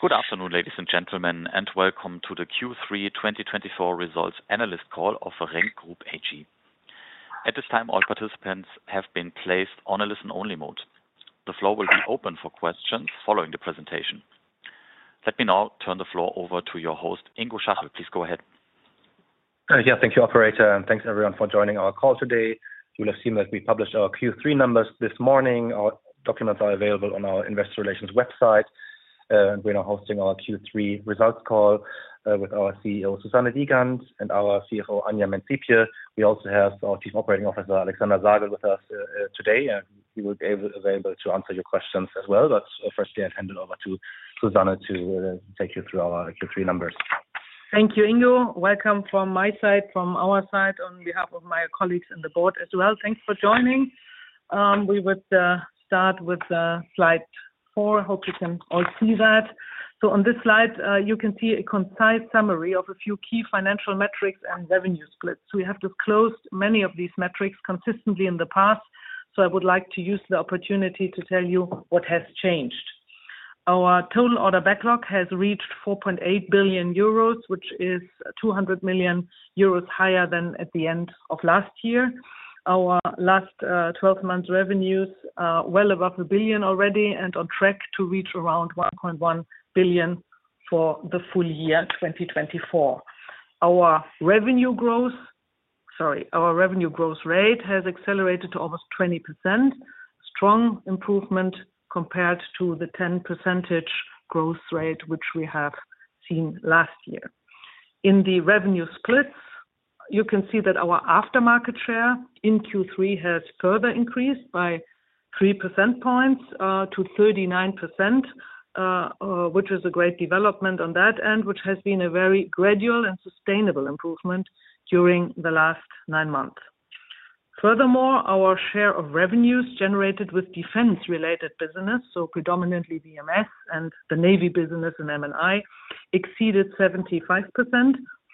Good afternoon, ladies and gentlemen, and welcome to the Q3 2024 results analyst call of RENK Group AG. At this time, all participants have been placed on a listen-only mode. The floor will be open for questions following the presentation. Let me now turn the floor over to your host, Ingo Schachel. Please go ahead. Yeah, thank you, Operator, and thanks everyone for joining our call today. You will have seen that we published our Q3 numbers this morning. Our documents are available on our Investor Relations website, and we're now hosting our Q3 results call with our CEO, Susanne Wiegand, and our CFO, Anja Mänz-Siebje. We also have our Chief Operating Officer, Alexander Sagel, with us today, and he will be available to answer your questions as well. But firstly, I'll hand it over to Susanne to take you through our Q3 numbers. Thank you, Ingo. Welcome from my side, from our side, on behalf of my colleagues on the board as well. Thanks for joining. We would start with slide four. I hope you can all see that. So on this slide, you can see a concise summary of a few key financial metrics and revenue splits. We have disclosed many of these metrics consistently in the past, so I would like to use the opportunity to tell you what has changed. Our total order backlog has reached 4.8 billion euros, which is 200 million euros higher than at the end of last year. Our last 12 months' revenues are well above a billion already and on track to reach around 1.1 billion for the full year 2024. Our revenue growth, sorry, our revenue growth rate, has accelerated to almost 20%, a strong improvement compared to the 10% growth rate which we have seen last year. In the revenue splits, you can see that our aftermarket share in Q3 has further increased by 3 percentage points to 39%, which is a great development on that end, which has been a very gradual and sustainable improvement during the last nine months. Furthermore, our share of revenues generated with defense-related business, so predominantly VMS and the Navy business and M&I, exceeded 75%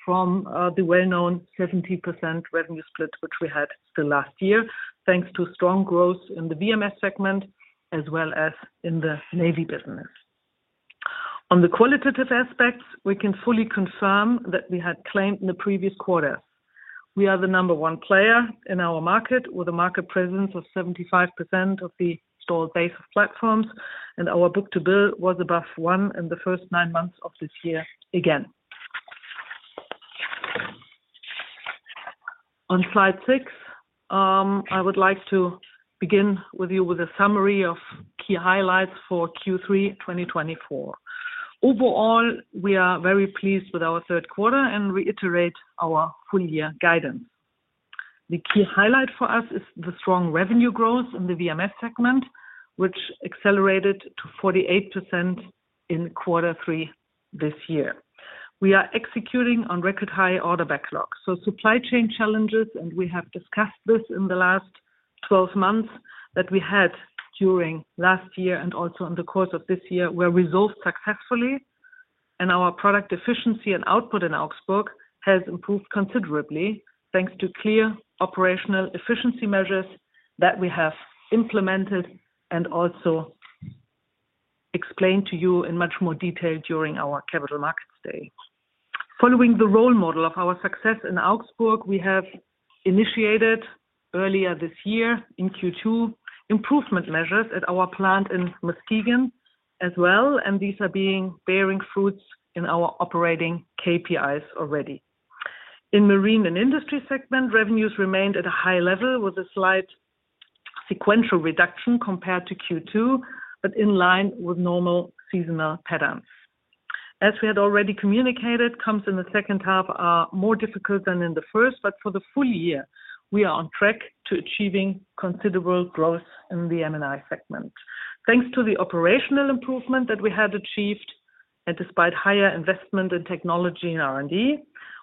from the well-known 70% revenue split which we had last year, thanks to strong growth in the VMS segment as well as in the Navy business. On the qualitative aspects, we can fully confirm that we had claimed in the previous quarters. We are the number one player in our market with a market presence of 75% of the installed base of platforms, and our book-to-bill was above one in the first nine months of this year again. On slide six, I would like to begin with you with a summary of key highlights for Q3 2024. Overall, we are very pleased with our third quarter and reiterate our full-year guidance. The key highlight for us is the strong revenue growth in the VMS segment, which accelerated to 48% in quarter three this year. We are executing on record-high order backlog. So supply chain challenges, and we have discussed this in the last 12 months that we had during last year and also in the course of this year, were resolved successfully, and our product efficiency and output in Augsburg has improved considerably thanks to clear operational efficiency measures that we have implemented and also explained to you in much more detail during our Capital Markets Day. Following the role model of our success in Augsburg, we have initiated earlier this year in Q2 improvement measures at our plant in Muskegon as well, and these are bearing fruit in our operating KPIs already. In the Marine and Industry segment, revenues remained at a high level with a slight sequential reduction compared to Q2, but in line with normal seasonal patterns. As we had already communicated, the second half is more difficult than in the first, but for the full year, we are on track to achieving considerable growth in the M&I segment. Thanks to the operational improvement that we had achieved, and despite higher investment in technology and R&D,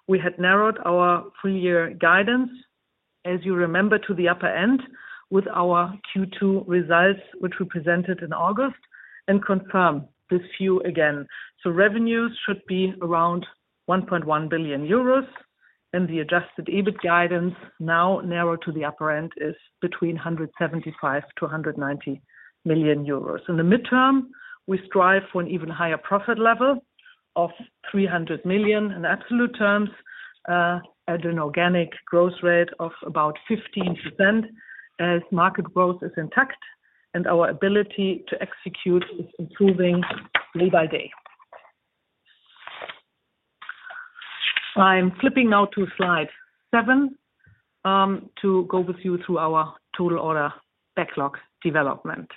we had narrowed our full-year guidance, as you remember, to the upper end with our Q2 results, which we presented in August, and confirm this view again. Revenues should be around 1.1 billion euros, and the adjusted EBIT guidance now narrowed to the upper end is between 175 million-190 million euros. In the midterm, we strive for an even higher profit level of 300 million in absolute terms at an organic growth rate of about 15% as market growth is intact and our ability to execute is improving day by day. I'm flipping now to slide seven to go with you through our total order backlog development.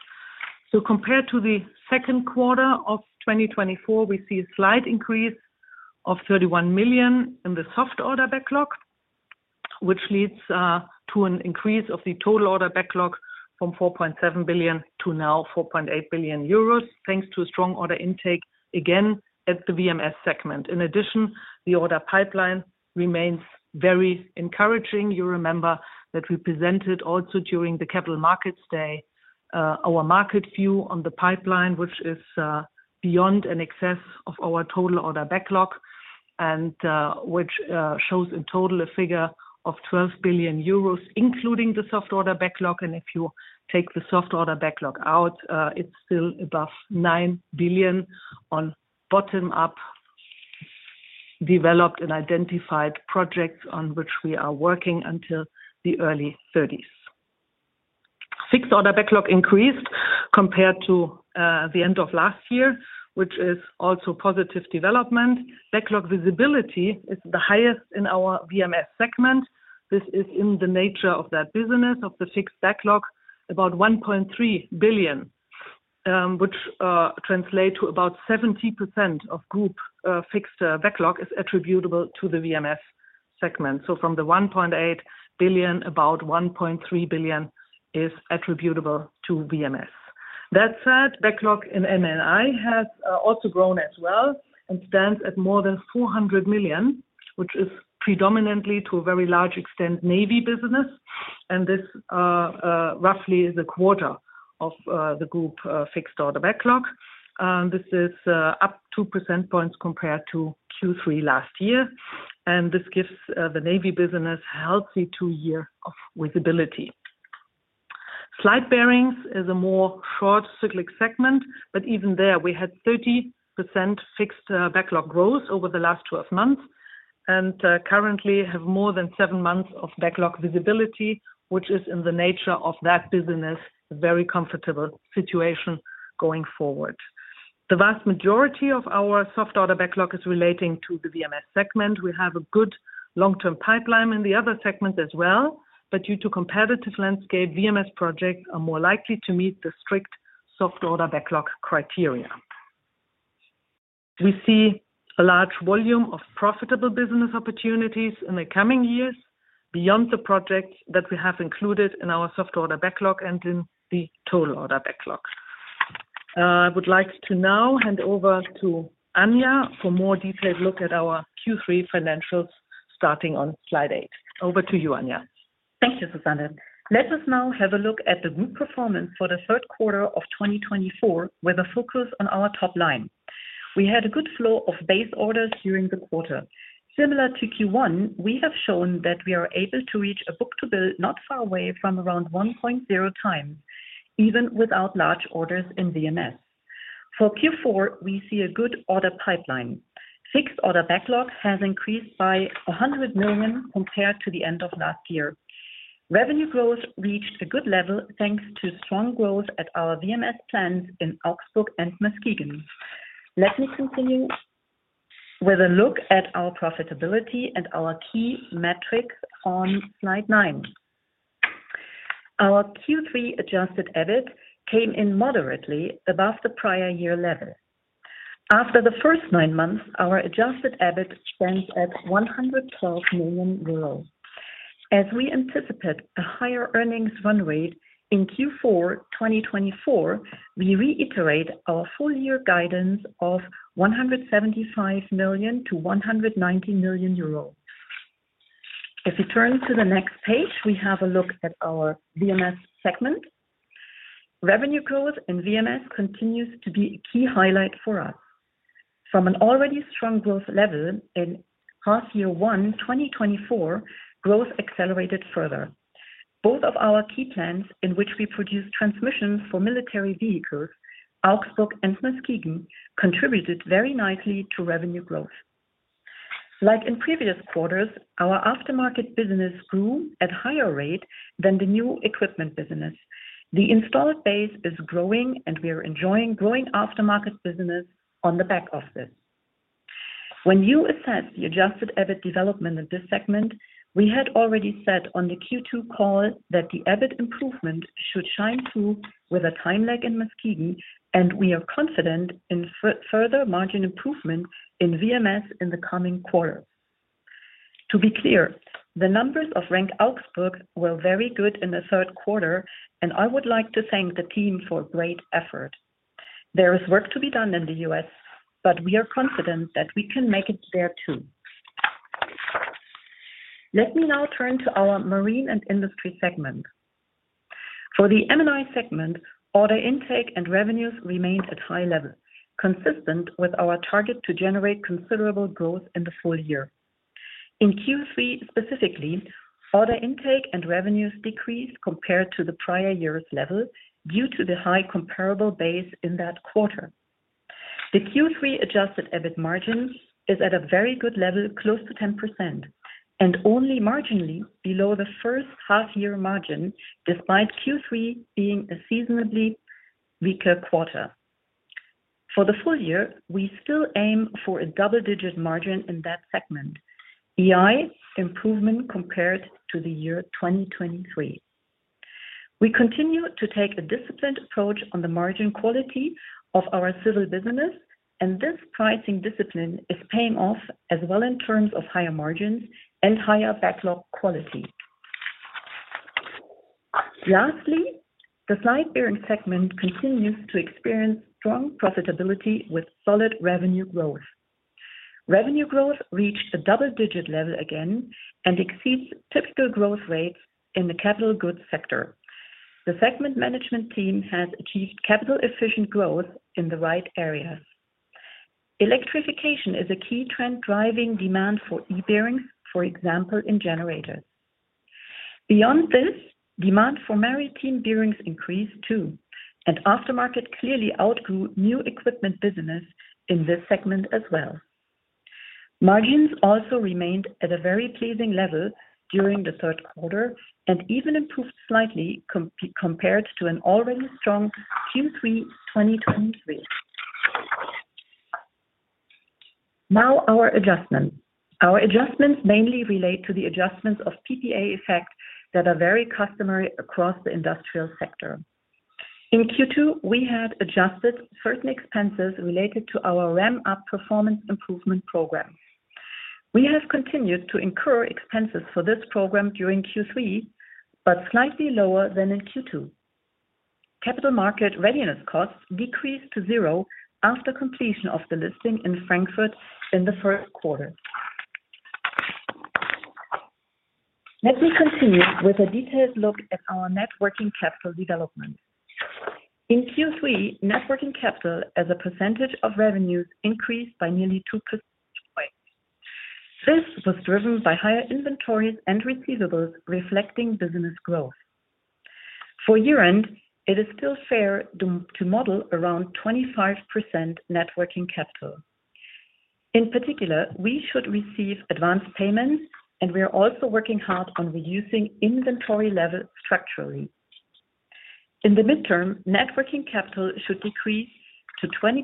Compared to the second quarter of 2024, we see a slight increase of 31 million in the soft order backlog, which leads to an increase of the total order backlog from 4.7 billion to now 4.8 billion euros, thanks to strong order intake again at the VMS segment. In addition, the order pipeline remains very encouraging. You remember that we presented also during the Capital Markets Day our market view on the pipeline, which is beyond and in excess of our total order backlog, and which shows in total a figure of 12 billion euros, including the soft order backlog. And if you take the soft order backlog out, it's still above 9 billion on bottom-up developed and identified projects on which we are working until the early 30s. Fixed order backlog increased compared to the end of last year, which is also positive development. Backlog visibility is the highest in our VMS segment. This is in the nature of that business, of the fixed backlog, about 1.3 billion, which translates to about 70% of group fixed backlog is attributable to the VMS segment. So from the 1.8 billion, about 1.3 billion is attributable to VMS. That said, backlog in M&I has also grown as well and stands at more than 400 million, which is predominantly, to a very large extent, Navy business, and this roughly is a quarter of the group fixed order backlog. This is up 2% points compared to Q3 last year, and this gives the Navy business a healthy two-year visibility. Slide Bearings is a more short cyclic segment, but even there we had 30% fixed backlog growth over the last 12 months and currently have more than seven months of backlog visibility, which is in the nature of that business, a very comfortable situation going forward. The vast majority of our soft order backlog is relating to the VMS segment. We have a good long-term pipeline in the other segments as well, but due to the competitive landscape, VMS projects are more likely to meet the strict soft order backlog criteria. We see a large volume of profitable business opportunities in the coming years beyond the projects that we have included in our soft order backlog and in the total order backlog. I would like to now hand over to Anja for a more detailed look at our Q3 financials starting on slide eight. Over to you, Anja. Thank you, Susanne. Let us now have a look at the group performance for the third quarter of 2024 with a focus on our top line. We had a good flow of base orders during the quarter. Similar to Q1, we have shown that we are able to reach a book-to-bill not far away from around 1.0x, even without large orders in VMS. For Q4, we see a good order pipeline. Fixed order backlog has increased by 100 million compared to the end of last year. Revenue growth reached a good level thanks to strong growth at our VMS plants in Augsburg and Muskegon. Let me continue with a look at our profitability and our key metrics on slide nine. Our Q3 adjusted EBIT came in moderately above the prior year level. After the first nine months, our adjusted EBIT stands at 112 million euros. As we anticipate a higher earnings run rate in Q4 2024, we reiterate our full-year guidance of 175 million-190 million euros. If we turn to the next page, we have a look at our VMS segment. Revenue growth in VMS continues to be a key highlight for us. From an already strong growth level in half-year one 2024, growth accelerated further. Both of our key plants in which we produce transmissions for military vehicles, Augsburg and Muskegon, contributed very nicely to revenue growth. Like in previous quarters, our aftermarket business grew at a higher rate than the new equipment business. The installed base is growing, and we are enjoying growing aftermarket business on the back of this. When you assess the adjusted EBIT development in this segment, we had already said on the Q2 call that the EBIT improvement should shine through with a time lag in Muskegon, and we are confident in further margin improvement in VMS in the coming quarter. To be clear, the numbers of RENK Augsburg were very good in the third quarter, and I would like to thank the team for great effort. There is work to be done in the U.S., but we are confident that we can make it there too. Let me now turn to our Marine and Industry segment. For the M&I segment, order intake and revenues remained at a high level, consistent with our target to generate considerable growth in the full year. In Q3 specifically, order intake and revenues decreased compared to the prior year's level due to the high comparable base in that quarter. The Q3 adjusted EBIT margin is at a very good level, close to 10%, and only marginally below the first half-year margin, despite Q3 being a seasonally weaker quarter. For the full year, we still aim for a double-digit margin in that segment, an improvement compared to the year 2023. We continue to take a disciplined approach on the margin quality of our civil business, and this pricing discipline is paying off as well in terms of higher margins and higher backlog quality. Lastly, the Slide Bearing segment continues to experience strong profitability with solid revenue growth. Revenue growth reached a double-digit level again and exceeds typical growth rates in the capital goods sector. The segment management team has achieved capital-efficient growth in the right areas. Electrification is a key trend driving demand for E-bearings, for example, in generators. Beyond this, demand for maritime bearings increased too, and aftermarket clearly outgrew new equipment business in this segment as well. Margins also remained at a very pleasing level during the third quarter and even improved slightly compared to an already strong Q3 2023. Now, our adjustments. Our adjustments mainly relate to the adjustments of PPA effect that are very customary across the industrial sector. In Q2, we had adjusted certain expenses related to our ramp-up performance improvement program. We have continued to incur expenses for this program during Q3, but slightly lower than in Q2. Capital market readiness costs decreased to zero after completion of the listing in Frankfurt in the first quarter. Let me continue with a detailed look at our net working capital development. In Q3, net working capital as a percentage of revenues increased by nearly 2%. This was driven by higher inventories and receivables reflecting business growth. For year-end, it is still fair to model around 25% net working capital. In particular, we should receive advance payments, and we are also working hard on reducing inventory levels structurally. In the midterm, net working capital should decrease to 20%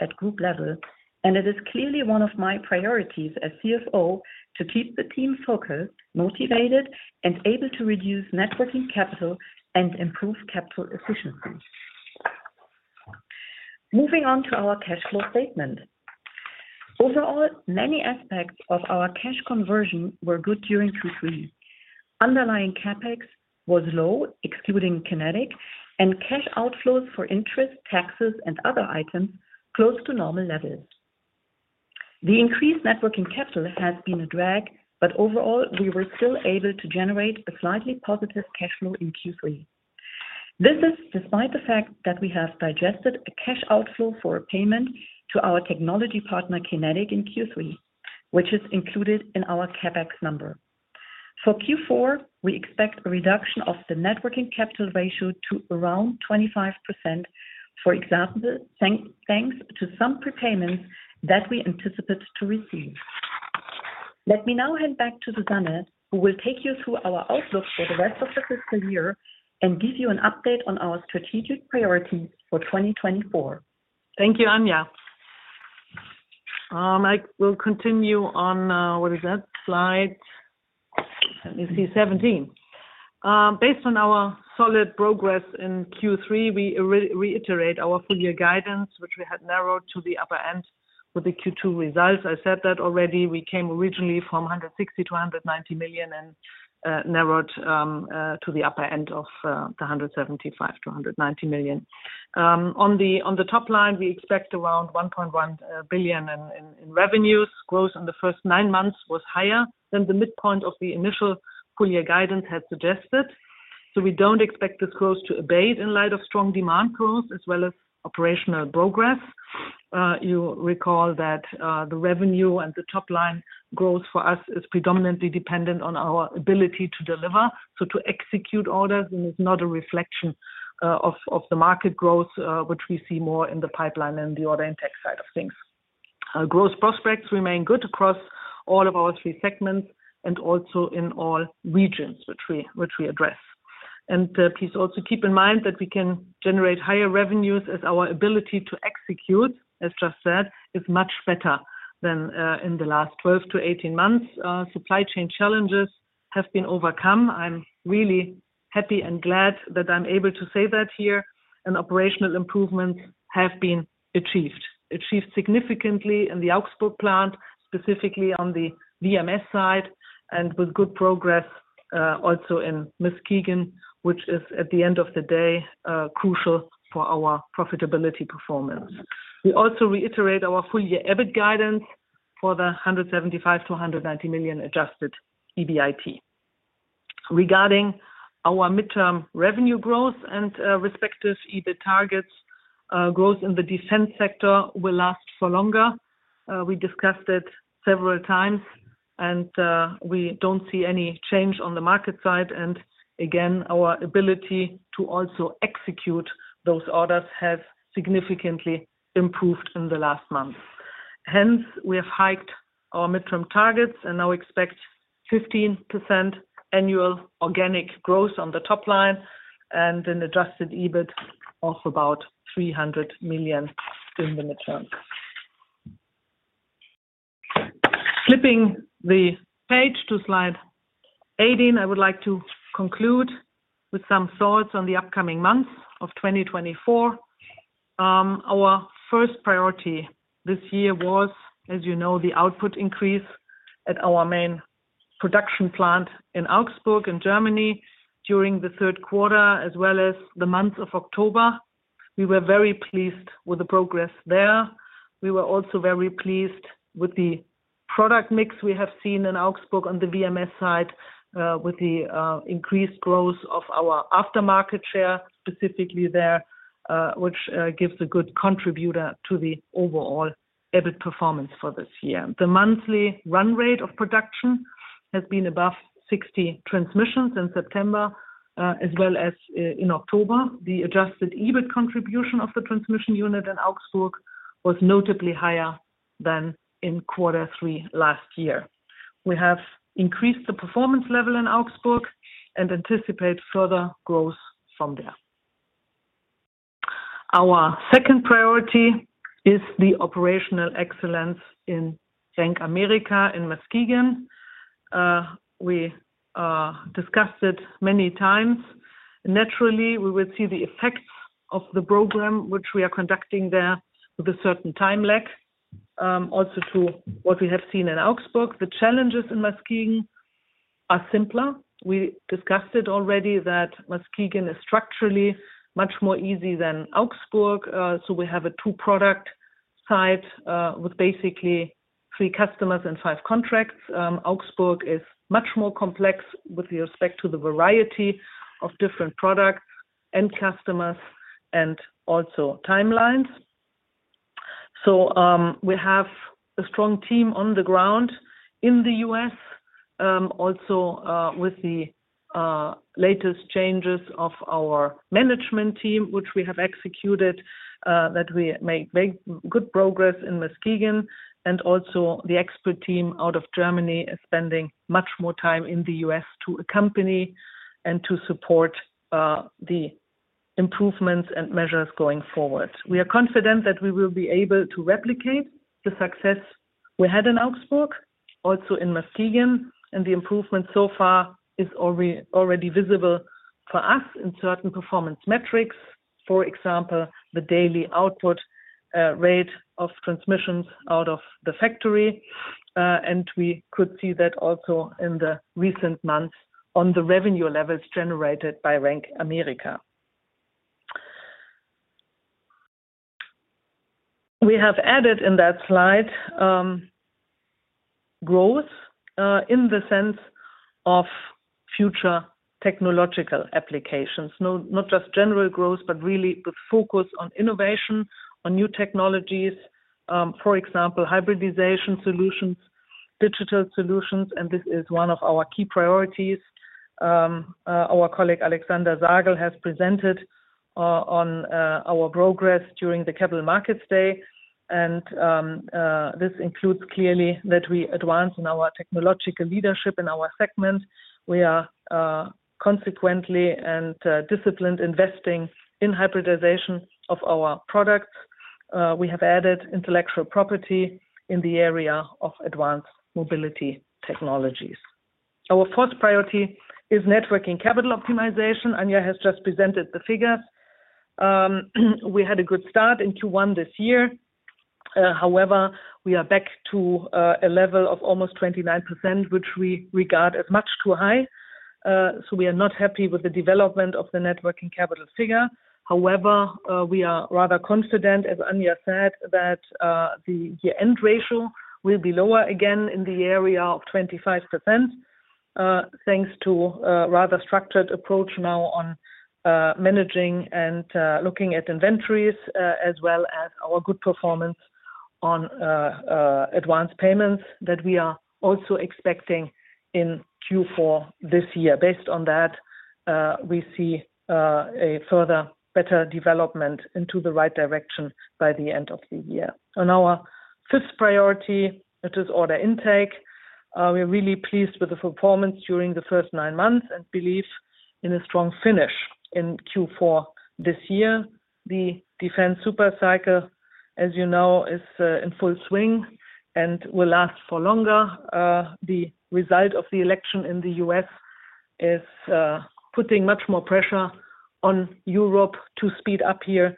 at group level, and it is clearly one of my priorities as CFO to keep the team focused, motivated, and able to reduce net working capital and improve capital efficiency. Moving on to our cash flow statement. Overall, many aspects of our cash conversion were good during Q3. Underlying CapEx was low, excluding QinetiQ, and cash outflows for interest, taxes, and other items close to normal levels. The increased net working capital has been a drag, but overall, we were still able to generate a slightly positive cash flow in Q3. This is despite the fact that we have digested a cash outflow for a payment to our technology partner, QinetiQ, in Q3, which is included in our CapEx number. For Q4, we expect a reduction of the net working capital ratio to around 25%, for example, thanks to some prepayments that we anticipate to receive. Let me now hand back to Susanne, who will take you through our outlook for the rest of the fiscal year and give you an update on our strategic priorities for 2024. Thank you, Anja. I will continue on, what is that slide? Let me see, 17. Based on our solid progress in Q3, we reiterate our full-year guidance, which we had narrowed to the upper end with the Q2 results. I said that already. We came originally from 160 million to 190 million and narrowed to the upper end of the 175 million to 190 million. On the top line, we expect around 1.1 billion in revenues. Growth in the first nine months was higher than the midpoint of the initial full-year guidance had suggested, so we don't expect this growth to abate in light of strong demand growth as well as operational progress. You recall that the revenue and the top-line growth for us is predominantly dependent on our ability to deliver, so to execute orders, and it's not a reflection of the market growth, which we see more in the pipeline and the order intake side of things. Gross prospects remain good across all of our three segments and also in all regions which we address, and please also keep in mind that we can generate higher revenues as our ability to execute, as just said, is much better than in the last 12-18 months. Supply chain challenges have been overcome. I'm really happy and glad that I'm able to say that here. Operational improvements have been achieved significantly in the Augsburg plant, specifically on the VMS side, and with good progress also in Muskegon, which is, at the end of the day, crucial for our profitability performance. We also reiterate our full-year EBIT guidance for the 175 million-190 million adjusted EBIT. Regarding our midterm revenue growth and respective EBIT targets, growth in the defense sector will last for longer. We discussed it several times, and we don't see any change on the market side. Again, our ability to also execute those orders has significantly improved in the last month. Hence, we have hiked our midterm targets and now expect 15% annual organic growth on the top line and an adjusted EBIT of about 300 million in the midterm. Flipping the page to slide 18, I would like to conclude with some thoughts on the upcoming months of 2024. Our first priority this year was, as you know, the output increase at our main production plant in Augsburg in Germany during the third quarter, as well as the month of October. We were very pleased with the progress there. We were also very pleased with the product mix we have seen in Augsburg on the VMS side with the increased growth of our aftermarket share specifically there, which gives a good contributor to the overall EBIT performance for this year. The monthly run rate of production has been above 60 transmissions in September, as well as in October. The adjusted EBIT contribution of the transmission unit in Augsburg was notably higher than in quarter three last year. We have increased the performance level in Augsburg and anticipate further growth from there. Our second priority is the operational excellence in RENK America in Muskegon. We discussed it many times. Naturally, we will see the effects of the program, which we are conducting there with a certain time lag, also to what we have seen in Augsburg. The challenges in Muskegon are simpler. We discussed it already that Muskegon is structurally much more easy than Augsburg, so we have a two-product site with basically three customers and five contracts. Augsburg is much more complex with respect to the variety of different products and customers and also timelines. So we have a strong team on the ground in the U.S., also with the latest changes of our management team, which we have executed, that we make good progress in Muskegon, and also the expert team out of Germany is spending much more time in the U.S. to accompany and to support the improvements and measures going forward. We are confident that we will be able to replicate the success we had in Augsburg, also in Muskegon, and the improvement so far is already visible for us in certain performance metrics, for example, the daily output rate of transmissions out of the factory, and we could see that also in the recent months on the revenue levels generated by RENK America. We have added in that slide growth in the sense of future technological applications, not just general growth, but really with focus on innovation, on new technologies, for example, hybridization solutions, digital solutions, and this is one of our key priorities. Our colleague Alexander Sagel has presented on our progress during the Capital Markets Day, and this includes clearly that we advance in our technological leadership in our segment. We are consequently and disciplined investing in hybridization of our products. We have added intellectual property in the area of advanced mobility technologies. Our fourth priority is net working capital optimization. Anja has just presented the figures. We had a good start in Q1 this year. However, we are back to a level of almost 29%, which we regard as much too high. So we are not happy with the development of the net working capital figure. However, we are rather confident, as Anja said, that the year-end ratio will be lower again in the area of 25%, thanks to a rather structured approach now on managing and looking at inventories as well as our good performance on advanced payments that we are also expecting in Q4 this year. Based on that, we see a further better development in the right direction by the end of the year. Our fifth priority is order intake. We are really pleased with the performance during the first nine months and believe in a strong finish in Q4 this year. The defense super-cycle, as you know, is in full swing and will last for longer. The result of the election in the U.S. is putting much more pressure on Europe to speed up here.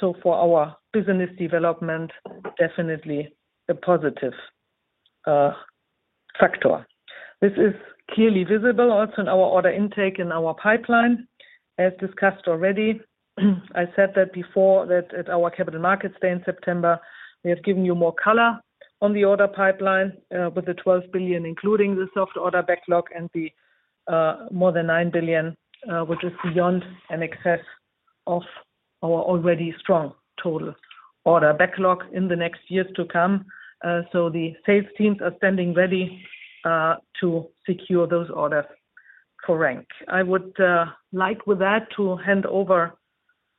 For our business development, definitely a positive factor. This is clearly visible also in our order intake in our pipeline. As discussed already, I said that before that at our Capital Markets Day in September, we have given you more color on the order pipeline with the 12 billion, including the soft order backlog and the more than 9 billion, which is beyond and excess of our already strong total order backlog in the next years to come. The sales teams are standing ready to secure those orders for RENK. I would like, with that, to hand over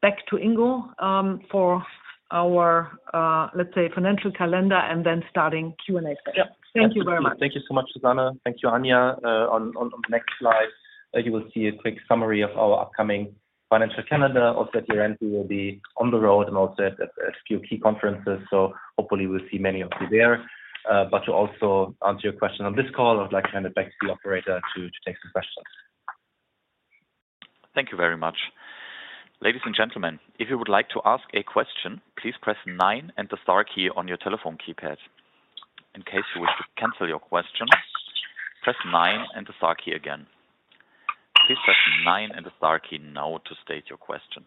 back to Ingo for our, let's say, financial calendar and then starting Q&A session. Thank you very much. Thank you so much, Susanne. Thank you, Anja. On the next slide, you will see a quick summary of our upcoming financial calendar. Also, at year-end, we will be on the road and also at a few key conferences. So hopefully, we'll see many of you there. But to also answer your question on this call, I would like to hand it back to the Operator to take some questions. Thank you very much. Ladies and gentlemen, if you would like to ask a question, please press nine and the star key on your telephone keypad. In case you wish to cancel your question, press niine and the star key again. Please press nine and the star key now to state your question.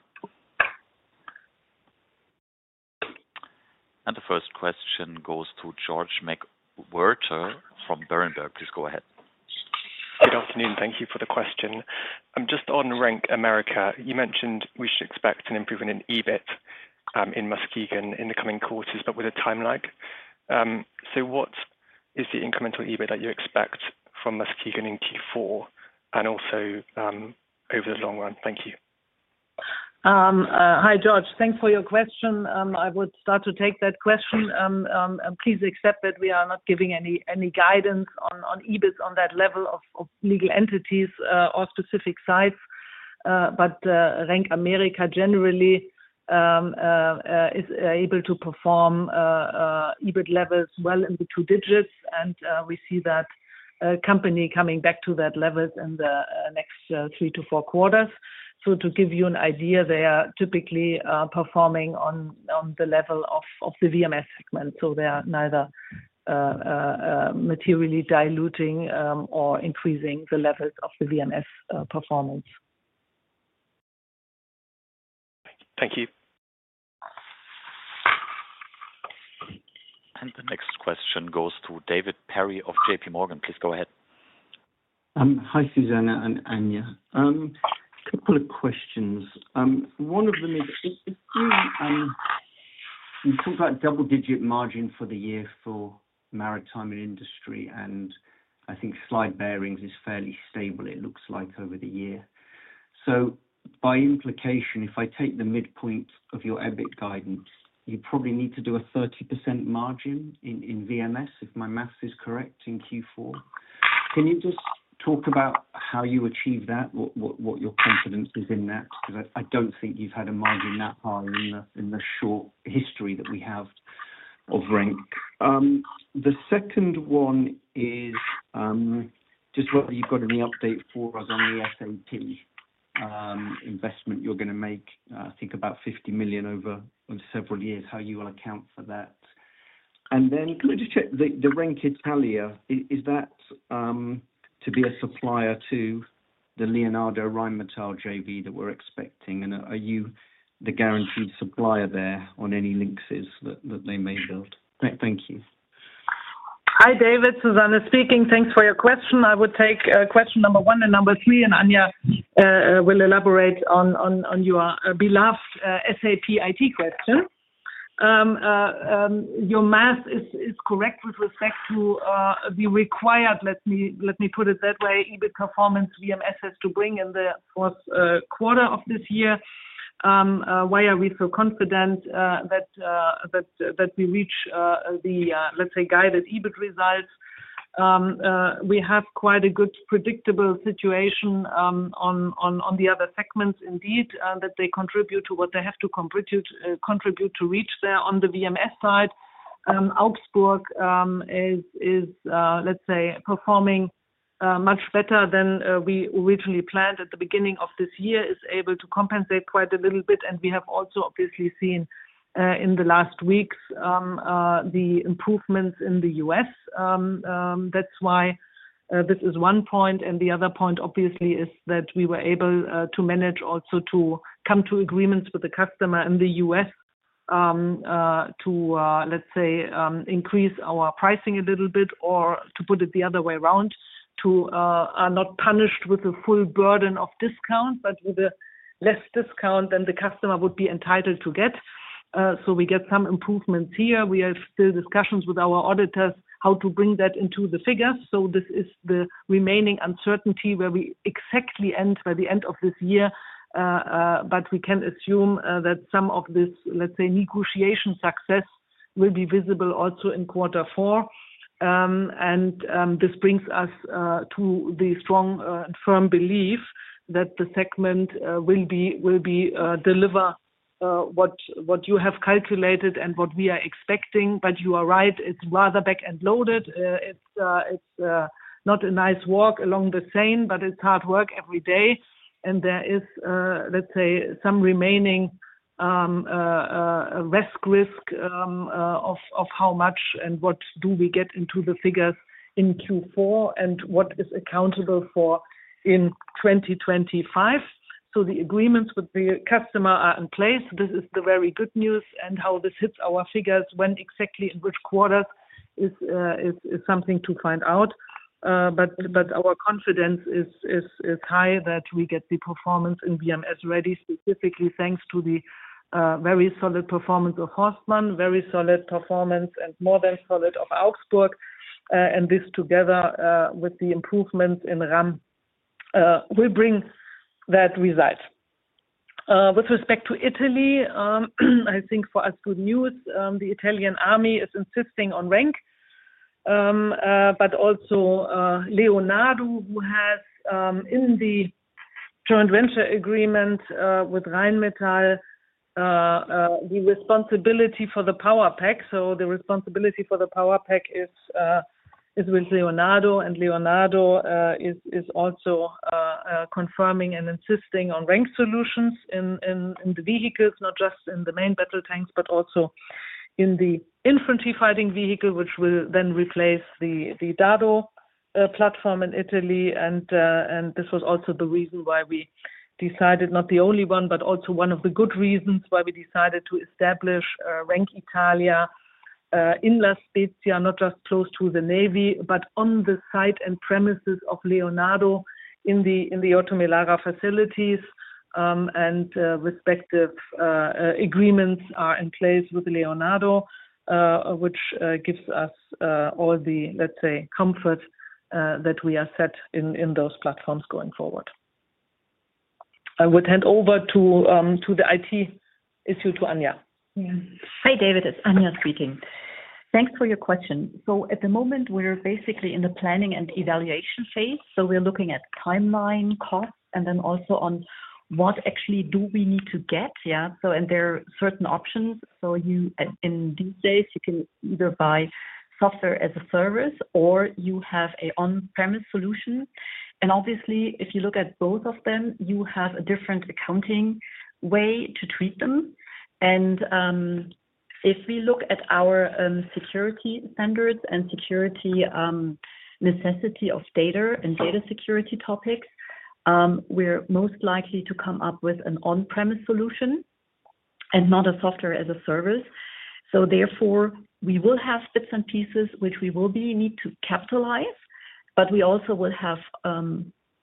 And the first question goes to George McWhirter from Berenberg. Please go ahead. Good afternoon. Thank you for the question. Just on RENK America, you mentioned we should expect an improvement in EBIT in Muskegon in the coming quarters, but with a time lag. So what is the incremental EBIT that you expect from Muskegon in Q4 and also over the long run? Thank you. Hi, George. Thanks for your question. I would start to take that question. Please accept that we are not giving any guidance on EBIT on that level of legal entities or specific sites. But RENK America generally is able to perform EBIT levels well in the two digits, and we see that company coming back to that level in the next three to four quarters. So to give you an idea, they are typically performing on the level of the VMS segment. So they are neither materially diluting or increasing the levels of the VMS performance. Thank you, and the next question goes to David Perry of JPMorgan. Please go ahead. Hi, Susanne and Anja. A couple of questions. One of them is, we talked about double-digit margin for the year for Maritime and Industry, and I think slide bearings is fairly stable, it looks like, over the year. So by implication, if I take the midpoint of your EBIT guidance, you probably need to do a 30% margin in VMS, if my math is correct, in Q4. Can you just talk about how you achieve that, what your confidence is in that? Because I don't think you've had a margin that high in the short history that we have of RENK. The second one is just whether you've got any update for us on the SAP investment you're going to make, I think about 50 million over several years, how you will account for that. And then can we just check the RENK Italia? Is that to be a supplier to the Leonardo Rheinmetall JV that we're expecting? And are you the guaranteed supplier there on any tanks that they may build? Thank you. Hi, David. Susanne speaking. Thanks for your question. I would take question number one and number three, and Anja will elaborate on your beloved SAP IT question. Your math is correct with respect to the required, let me put it that way, EBIT performance VMS has to bring in the fourth quarter of this year. Why are we so confident that we reach the, let's say, guided EBIT results? We have quite a good predictable situation on the other segments indeed that they contribute to what they have to contribute to reach there on the VMS side. Augsburg is, let's say, performing much better than we originally planned at the beginning of this year, is able to compensate quite a little bit. And we have also obviously seen in the last weeks the improvements in the U.S. That's why this is one point. The other point, obviously, is that we were able to manage also to come to agreements with the customer in the U.S. to, let's say, increase our pricing a little bit or, to put it the other way around, to not punish with a full burden of discount, but with a less discount than the customer would be entitled to get. So we get some improvements here. We have still discussions with our auditors how to bring that into the figures. So this is the remaining uncertainty where we exactly end by the end of this year, but we can assume that some of this, let's say, negotiation success will be visible also in quarter four. And this brings us to the strong and firm belief that the segment will deliver what you have calculated and what we are expecting. You are right, it's rather back and loaded. It's not a nice walk along the Seine, but it's hard work every day. And there is, let's say, some remaining risk of how much and what do we get into the figures in Q4 and what is accountable for in 2025. So the agreements with the customer are in place. This is the very good news. And how this hits our figures, when exactly in which quarters, is something to find out. But our confidence is high that we get the performance in VMS ready, specifically thanks to the very solid performance of Horstman, very solid performance, and more than solid of Augsburg. And this together with the improvements in RAM will bring that result. With respect to Italy, I think for us good news, the Italian Army is insisting on RENK, but also Leonardo, who has in the joint venture agreement with Rheinmetall the responsibility for the power pack, so the responsibility for the power pack is with Leonardo, and Leonardo is also confirming and insisting on RENK solutions in the vehicles, not just in the main battle tanks, but also in the infantry fighting vehicle, which will then replace the Dardo platform in Italy, and this was also the reason why we decided not the only one, but also one of the good reasons why we decided to establish RENK Italia in La Spezia, not just close to the Navy, but on the site and premises of Leonardo in the OTO Melara facilities. Respective agreements are in place with Leonardo, which gives us all the, let's say, comfort that we are set in those platforms going forward. I would hand it over to Anja. Hi, David. It's Anja speaking. Thanks for your question. So at the moment, we're basically in the planning and evaluation phase. So we're looking at timeline, costs, and then also on what actually do we need to get. And there are certain options. So in these days, you can either buy Software as a Service or you have an on-premise solution. And obviously, if you look at both of them, you have a different accounting way to treat them. And if we look at our security standards and security necessity of data and data security topics, we're most likely to come up with an on-premise solution and not a Software as a Service. So therefore, we will have bits and pieces which we will need to capitalize, but we also will have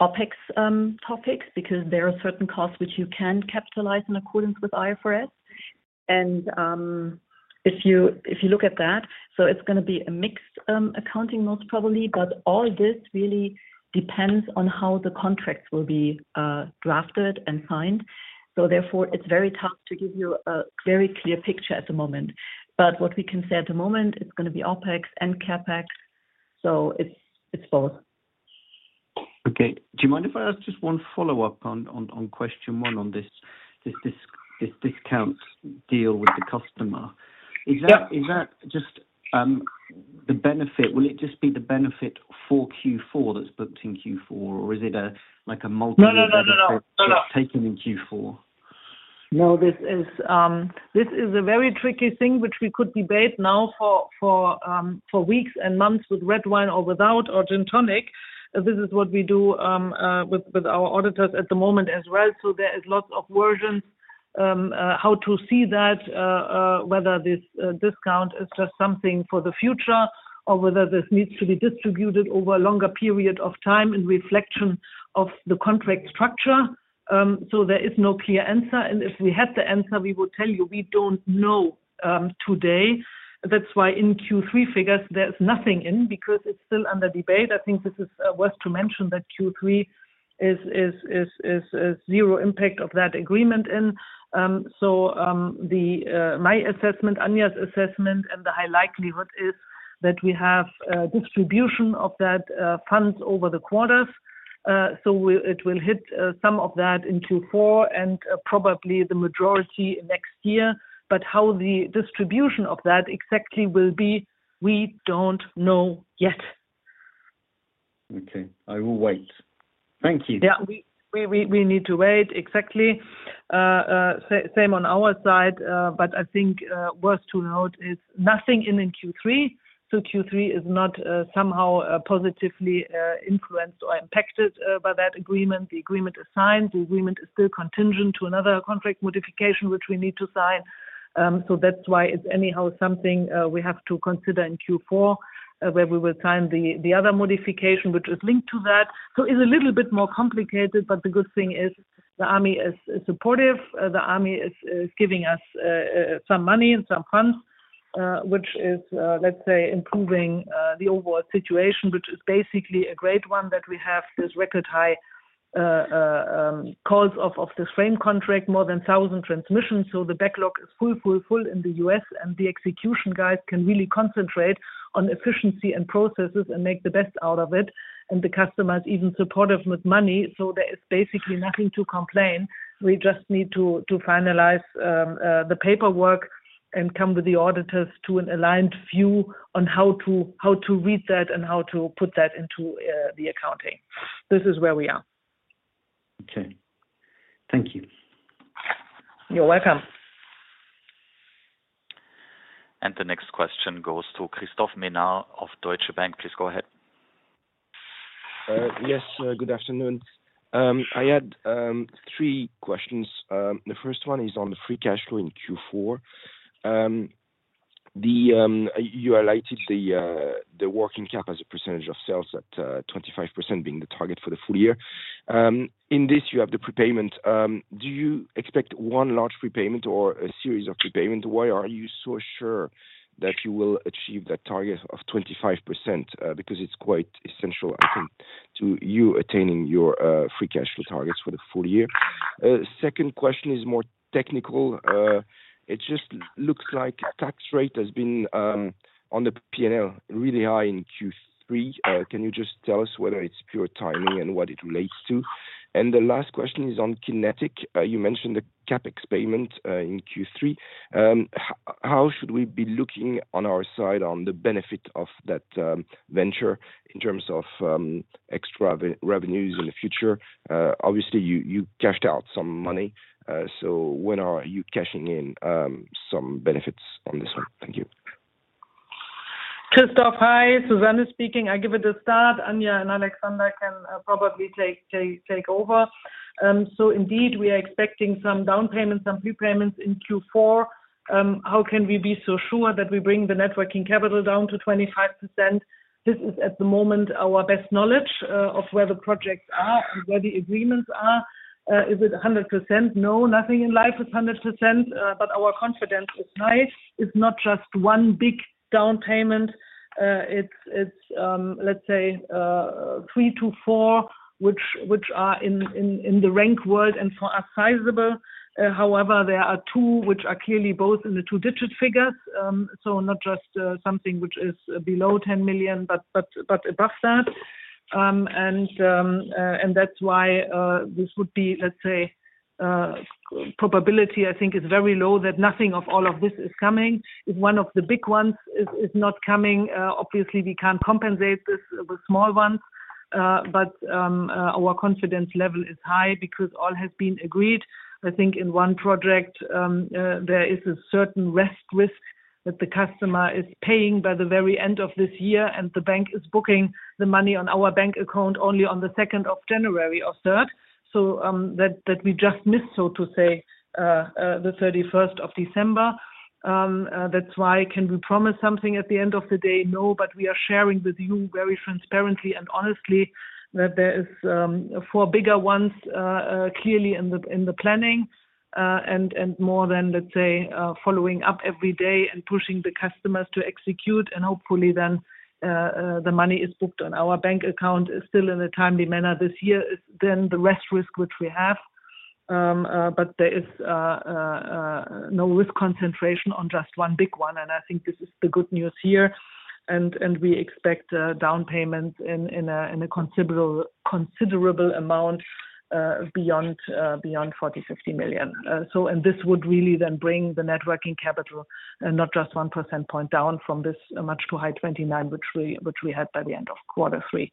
OpEx topics because there are certain costs which you can capitalize in accordance with IFRS. And if you look at that, so it's going to be a mixed accounting most probably, but all this really depends on how the contracts will be drafted and signed. So therefore, it's very tough to give you a very clear picture at the moment. But what we can say at the moment, it's going to be OpEx and CapEx. So it's both. Okay. Do you mind if I ask just one follow-up on question one on this discount deal with the customer? Is that just the benefit? Will it just be the benefit for Q4 that's booked in Q4, or is it like a multi-year benefit that's taken in Q4? No, this is a very tricky thing, which we could debate now for weeks and months with red wine or without or gin tonic. This is what we do with our auditors at the moment as well. So there are lots of versions how to see that, whether this discount is just something for the future or whether this needs to be distributed over a longer period of time in reflection of the contract structure. So there is no clear answer, and if we had the answer, we would tell you we don't know today. That's why in Q3 figures, there is nothing in because it's still under debate. I think this is worth to mention that Q3 is zero impact of that agreement in. So my assessment, Anja's assessment, and the high likelihood is that we have distribution of that funds over the quarters. So it will hit some of that in Q4 and probably the majority next year. But how the distribution of that exactly will be, we don't know yet. Okay. I will wait. Thank you. Yeah, we need to wait. Exactly. Same on our side. But I think worth to note is nothing in Q3. So Q3 is not somehow positively influenced or impacted by that agreement. The agreement is signed. The agreement is still contingent to another contract modification which we need to sign. So that's why it's anyhow something we have to consider in Q4 where we will sign the other modification which is linked to that. So it's a little bit more complicated, but the good thing is the Army is supportive. The Army is giving us some money and some funds, which is, let's say, improving the overall situation, which is basically a great one that we have this record high call-offs of this frame contract, more than 1,000 transmissions. So the backlog is full, full, full in the U.S. And the execution guys can really concentrate on efficiency and processes and make the best out of it. And the customer is even supportive with money. So there is basically nothing to complain. We just need to finalize the paperwork and come with the auditors to an aligned view on how to read that and how to put that into the accounting. This is where we are. Okay. Thank you. You're welcome. The next question goes to Christophe Menard of Deutsche Bank. Please go ahead. Yes. Good afternoon. I had three questions. The first one is on the free cash flow in Q4. You highlighted the working cap as a percentage of sales at 25% being the target for the full year. In this, you have the prepayment. Do you expect one large prepayment or a series of prepayments? Why are you so sure that you will achieve that target of 25%? Because it's quite essential, I think, to you attaining your free cash flow targets for the full year. Second question is more technical. It just looks like tax rate has been on the P&L really high in Q3. Can you just tell us whether it's pure timing and what it relates to? And the last question is on QinetiQ. You mentioned the CapEx payment in Q3. How should we be looking on our side on the benefit of that venture in terms of extra revenues in the future? Obviously, you cashed out some money. So when are you cashing in some benefits on this one? Thank you. Christophe, hi. Susanne is speaking. I'll give it a start. Anja and Alexander can probably take over. So indeed, we are expecting some down payments, some prepayments in Q4. How can we be so sure that we bring the net working capital down to 25%? This is at the moment our best knowledge of where the projects are and where the agreements are. Is it 100%? No, nothing in life is 100%. But our confidence is high. It's not just one big down payment. It's, let's say, three to four, which are in the RENK world and for us sizable. However, there are two which are clearly both in the two-digit figures. So not just something which is below 10 million, but above that. And that's why this would be, let's say, probability, I think, is very low that nothing of all of this is coming. If one of the big ones is not coming, obviously, we can't compensate this with small ones, but our confidence level is high because all has been agreed. I think in one project, there is a certain rest risk that the customer is paying by the very end of this year, and the bank is booking the money on our bank account only on the 2nd of January or 3rd, so that we just miss, so to say, the 31st of December. That's why can we promise something at the end of the day? No, but we are sharing with you very transparently and honestly that there are four bigger ones clearly in the planning and more than, let's say, following up every day and pushing the customers to execute, and hopefully then the money is booked on our bank account still in a timely manner this year. It's then the rest risk which we have. But there is no risk concentration on just one big one. And I think this is the good news here. And we expect down payments in a considerable amount beyond 40 million-50 million. And this would really then bring the net working capital and not just 1 percentage point down from this much too high 29%, which we had by the end of quarter three.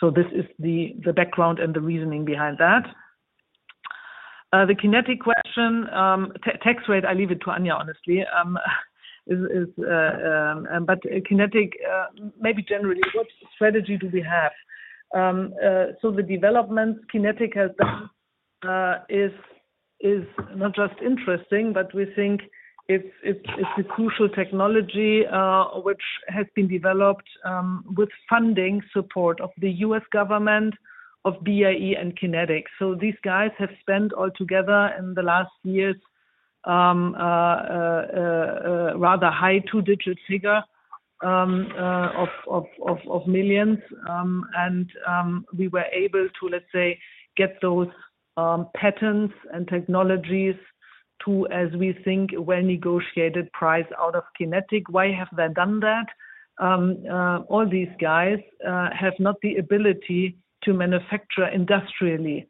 So this is the background and the reasoning behind that. The QinetiQ question, tax rate, I leave it to Anja, honestly. But QinetiQ, maybe generally, what strategy do we have? So the developments QinetiQ has done is not just interesting, but we think it's a crucial technology which has been developed with funding support of the U.S. Government, of BAE, and QinetiQ. So these guys have spent all together in the last years rather high two-digit figure of millions. We were able to, let's say, get those patents and technologies at, as we think, a well-negotiated price out of QinetiQ. Why have they done that? All these guys have not the ability to manufacture industrially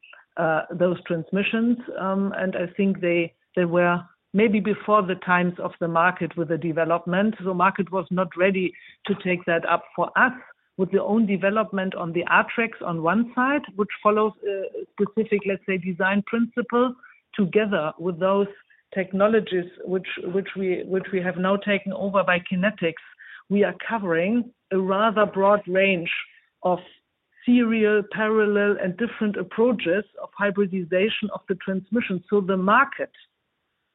those transmissions. I think they were maybe before the times of the market with the development. The market was not ready to take that up for us with the own development on the ATREX on one side, which follows specific, let's say, design principles. Together with those technologies which we have now taken over from QinetiQ, we are covering a rather broad range of serial, parallel, and different approaches of hybridization of the transmission. The market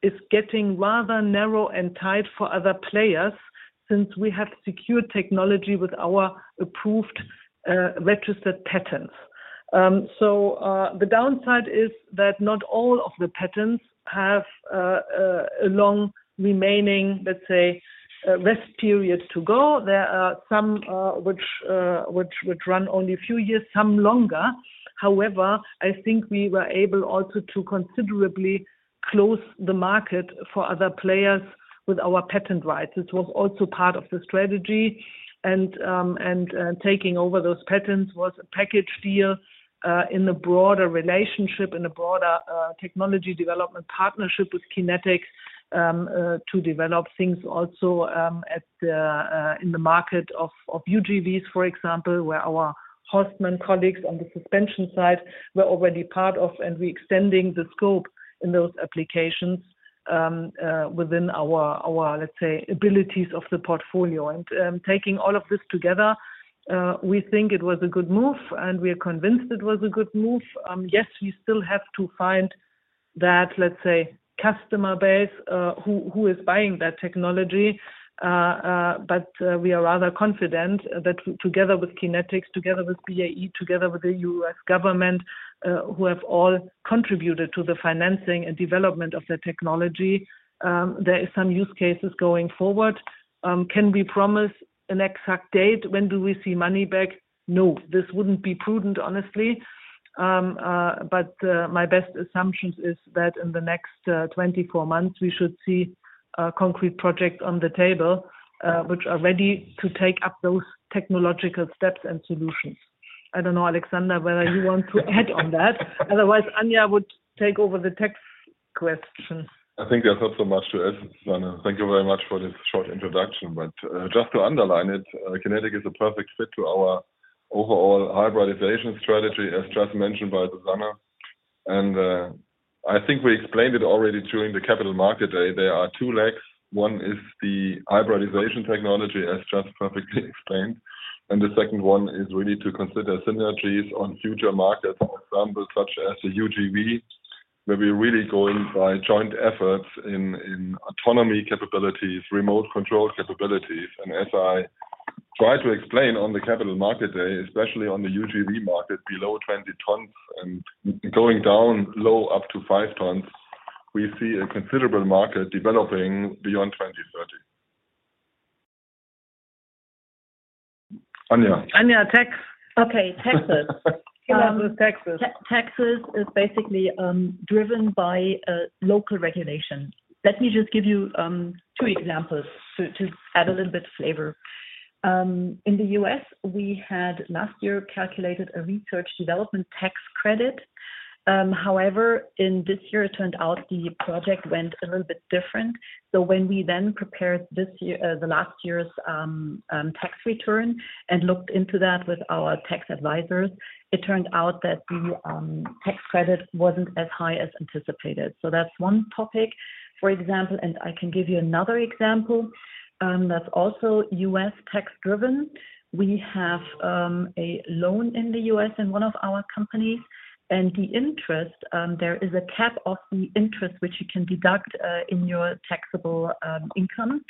is getting rather narrow and tight for other players since we have secured technology with our approved registered patents. So the downside is that not all of the patents have a long remaining, let's say, rest period to go. There are some which run only a few years, some longer. However, I think we were able also to considerably close the market for other players with our patent rights. This was also part of the strategy. And taking over those patents was a package deal in a broader relationship, in a broader technology development partnership with QinetiQ to develop things also in the market of UGVs, for example, where our Horstman colleagues on the suspension side were already part of and we're extending the scope in those applications within our, let's say, abilities of the portfolio. And taking all of this together, we think it was a good move, and we are convinced it was a good move. Yes, we still have to find that, let's say, customer base who is buying that technology. But we are rather confident that together with QinetiQ, together with BAE, together with the U.S. Government, who have all contributed to the financing and development of the technology, there are some use cases going forward. Can we promise an exact date? When do we see money back? No, this wouldn't be prudent, honestly. But my best assumption is that in the next 24 months, we should see concrete projects on the table which are ready to take up those technological steps and solutions. I don't know, Alexander, whether you want to add on that. Otherwise, Anja would take over the tech question. I think there's not so much to ask, Susanne. Thank you very much for this short introduction, but just to underline it, QinetiQ is a perfect fit to our overall hybridization strategy, as just mentioned by Susanne, and I think we explained it already during the Capital Market Day. There are two legs. One is the hybridization technology, as just perfectly explained, and the second one is really to consider synergies on future markets, for example, such as the UGV, where we're really going by joint efforts in autonomy capabilities, remote control capabilities, and as I tried to explain on the Capital Market Day, especially on the UGV market, below 20 ton and going down low up to 5 ton, we see a considerable market developing beyond 2030. Anja. Anja, tax. Okay, taxes. Taxes. Taxes is basically driven by local regulation. Let me just give you two examples to add a little bit of flavor. In the U.S., we had last year calculated a research development tax credit. However, in this year, it turned out the project went a little bit different. So when we then prepared the last year's tax return and looked into that with our tax advisors, it turned out that the tax credit wasn't as high as anticipated. So that's one topic, for example. And I can give you another example that's also U.S. tax-driven. We have a loan in the U.S. in one of our companies. And the interest, there is a cap of the interest which you can deduct in your taxable income.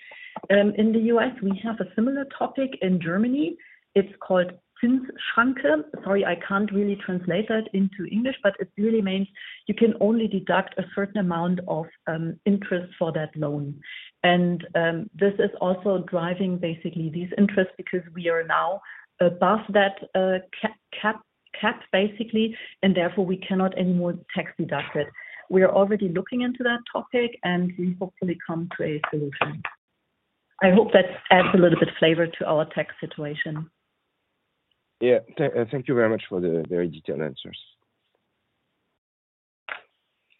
In the U.S., we have a similar topic in Germany. It's called Zinsschranke. Sorry, I can't really translate that into English, but it really means you can only deduct a certain amount of interest for that loan. And this is also driving basically these interests because we are now above that cap, basically, and therefore we cannot anymore tax deduct it. We are already looking into that topic, and we hopefully come to a solution. I hope that adds a little bit of flavor to our tax situation. Yeah. Thank you very much for the very detailed answers.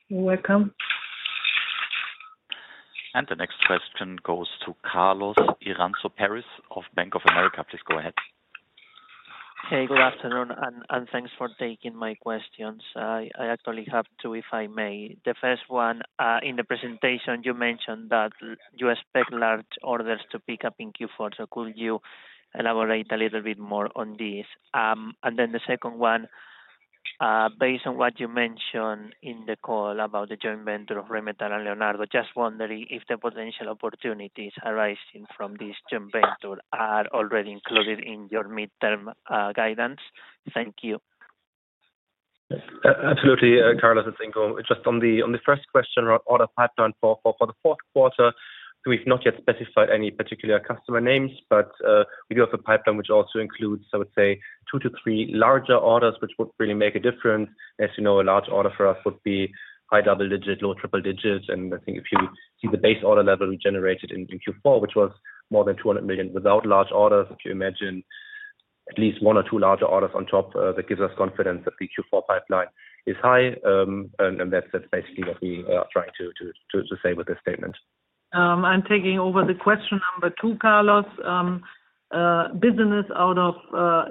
You're welcome. And the next question goes to Carlos Iranzo Peris of Bank of America. Please go ahead. Hey, good afternoon, and thanks for taking my questions. I actually have two, if I may. The first one, in the presentation, you mentioned that you expect large orders to pick up in Q4. So could you elaborate a little bit more on this? And then the second one, based on what you mentioned in the call about the joint venture of RENK Italia and Leonardo, just wondering if the potential opportunities arising from this joint venture are already included in your midterm guidance? Thank you. Absolutely, Carlos and thank you. Just on the first question, order pipeline for the fourth quarter, we've not yet specified any particular customer names, but we do have a pipeline which also includes, I would say, two to three larger orders, which would really make a difference. As you know, a large order for us would be high double digit, low triple digit. And I think if you see the base order level we generated in Q4, which was more than 200 million without large orders, if you imagine at least one or two larger orders on top, that gives us confidence that the Q4 pipeline is high. And that's basically what we are trying to say with this statement. I'm taking over the question number two, Carlos. Business out of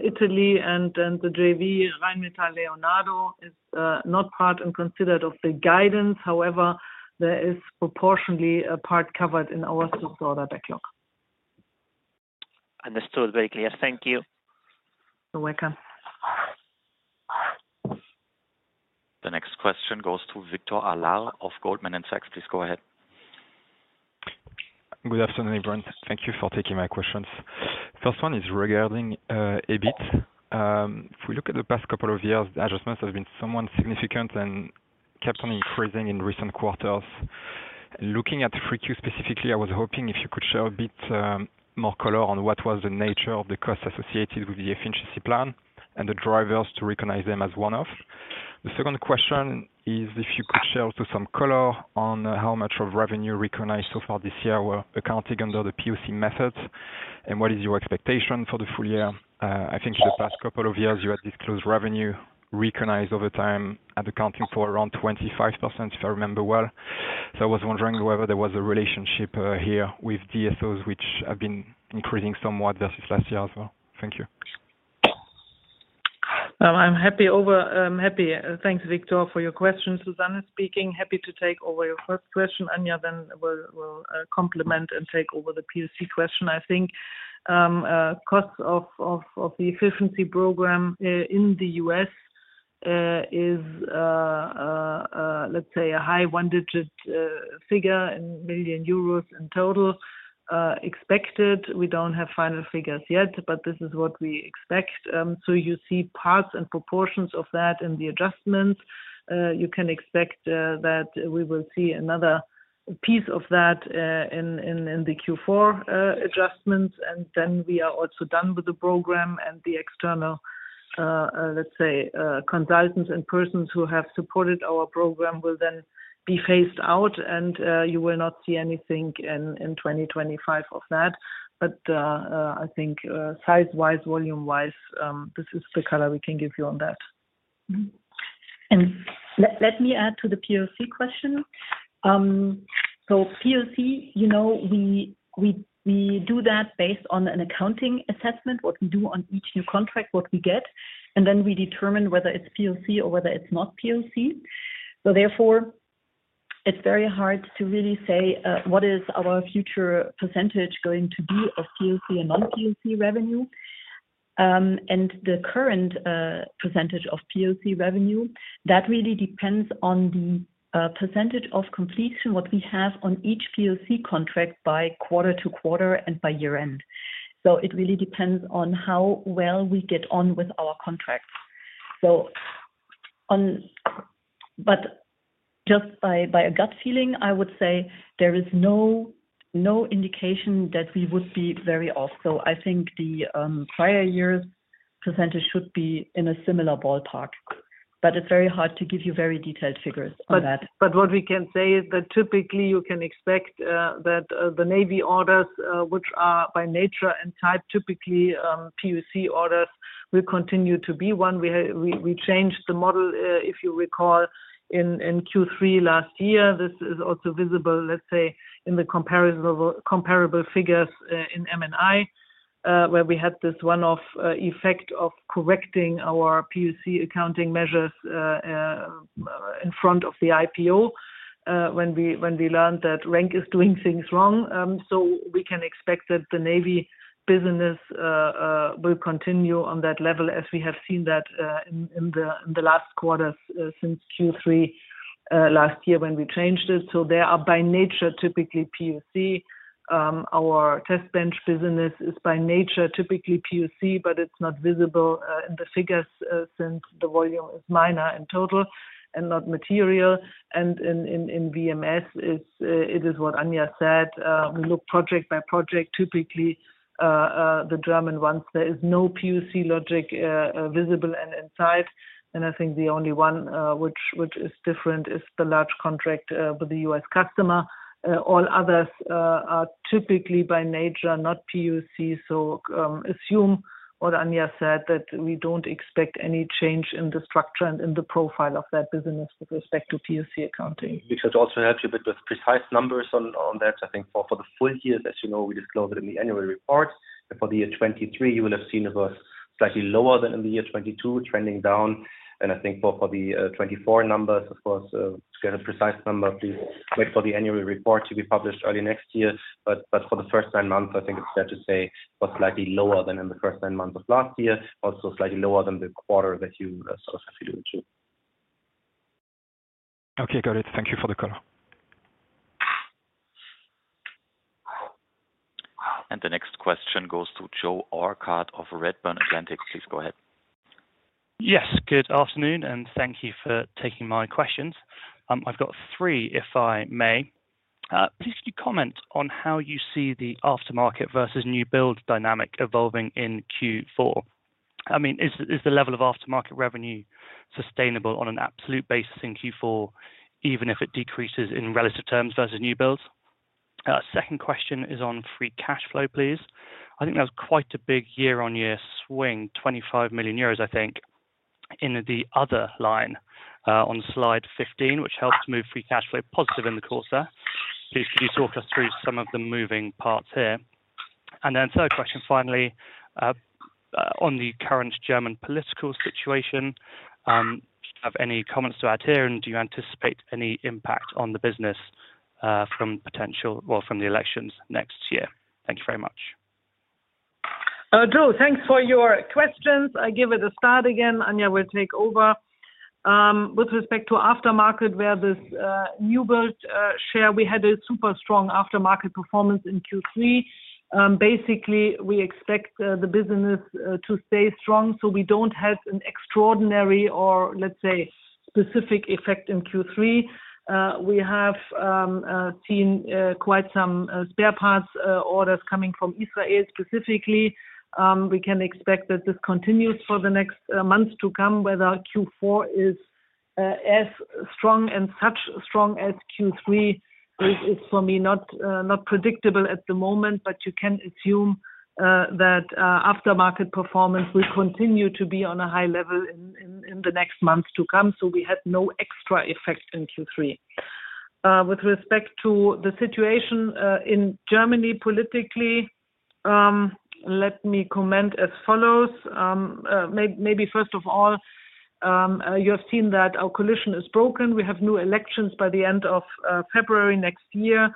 Italy and then the JV, Rheinmetall Leonardo, is not part and considered of the guidance. However, there is proportionally a part covered in our soft order backlog. Understood. Very clear. Thank you. You're welcome. The next question goes to Victor Allard of Goldman Sachs. Please go ahead. Good afternoon, everyone. Thank you for taking my questions. First one is regarding EBIT. If we look at the past couple of years, the adjustments have been somewhat significant and kept on increasing in recent quarters. Looking at RENK specifically, I was hoping if you could share a bit more color on what was the nature of the costs associated with the efficiency plan and the drivers to recognize them as one-off. The second question is if you could share also some color on how much of revenue recognized so far this year were accounting under the POC methods, and what is your expectation for the full year? I think in the past couple of years, you had disclosed revenue recognized over time at accounting for around 25%, if I remember well. So I was wondering whether there was a relationship here with DSOs, which have been increasing somewhat versus last year as well? Thank you. I'm happy. Thanks, Victor, for your questions. Susanne is speaking. Happy to take over your first question. Anja then will complement and take over the POC question, I think. Cost of the efficiency program in the U.S. is, let's say, a high one-digit figure in million euro in total expected. We don't have final figures yet, but this is what we expect. So you see parts and proportions of that in the adjustments. You can expect that we will see another piece of that in the Q4 adjustments, and then we are also done with the program, and the external, let's say, consultants and persons who have supported our program will then be phased out, and you will not see anything in 2025 of that, but I think size-wise, volume-wise, this is the color we can give you on that. Let me add to the POC question. POC, we do that based on an accounting assessment, what we do on each new contract, what we get, and then we determine whether it's POC or whether it's not POC. Therefore, it's very hard to really say what is our future percentage going to be of POC and non-POC revenue. The current percentage of POC revenue, that really depends on the percentage of completion what we have on each POC contract by quarter to quarter and by year-end. It really depends on how well we get on with our contracts. Just by a gut feeling, I would say there is no indication that we would be very off. I think the prior year's percentage should be in a similar ballpark. It's very hard to give you very detailed figures on that. But what we can say is that typically you can expect that the Navy orders, which are by nature and type typically POC orders, will continue to be one. We changed the model, if you recall, in Q3 last year. This is also visible, let's say, in the comparable figures in M&I, where we had this one-off effect of correcting our POC accounting measures in front of the IPO when we learned that RENK is doing things wrong. So we can expect that the Navy business will continue on that level, as we have seen that in the last quarters since Q3 last year when we changed it. So they are by nature typically POC. Our test bench business is by nature typically POC, but it's not visible in the figures since the volume is minor in total and not material. And in VMS, it is what Anja said. We look project by project. Typically, the German ones, there is no POC logic visible inside, and I think the only one which is different is the large contract with the U.S. customer. All others are typically by nature not POC, so assume what Anja said, that we don't expect any change in the structure and in the profile of that business with respect to POC accounting. This has also helped you a bit with precise numbers on that. I think for the full year, as you know, we disclose it in the annual report. For the year 2023, you will have seen it was slightly lower than in the year 2022, trending down. And I think for the 2024 numbers, of course, to get a precise number, please wait for the annual report to be published early next year. But for the first nine months, I think it's fair to say it was slightly lower than in the first nine months of last year, also slightly lower than the quarter that you sort of have to do it too. Okay, got it. Thank you for the color. The next question goes to Joe Orchard of Redburn Atlantic. Please go ahead. Yes, good afternoon, and thank you for taking my questions. I've got three, if I may. Please could you comment on how you see the aftermarket versus new build dynamic evolving in Q4? I mean, is the level of aftermarket revenue sustainable on an absolute basis in Q4, even if it decreases in relative terms versus new builds? Second question is on free cash flow, please. I think that was quite a big year-on-year swing, 25 million euros, I think, in the other line on slide 15, which helped move free cash flow positive in the quarter. Please could you talk us through some of the moving parts here? And then third question, finally, on the current German political situation, do you have any comments to add here, and do you anticipate any impact on the business from potential, well, from the elections next year? Thank you very much. Joe, thanks for your questions. I give it a start again. Anja will take over. With respect to aftermarket, where this new build share, we had a super strong aftermarket performance in Q3. Basically, we expect the business to stay strong. So we don't have an extraordinary or, let's say, specific effect in Q3. We have seen quite some spare parts orders coming from Israel specifically. We can expect that this continues for the next months to come. Whether Q4 is as strong and such strong as Q3 is, for me, not predictable at the moment, but you can assume that aftermarket performance will continue to be on a high level in the next months to come. So we had no extra effect in Q3. With respect to the situation in Germany politically, let me comment as follows. Maybe first of all, you have seen that our coalition is broken. We have new elections by the end of February next year.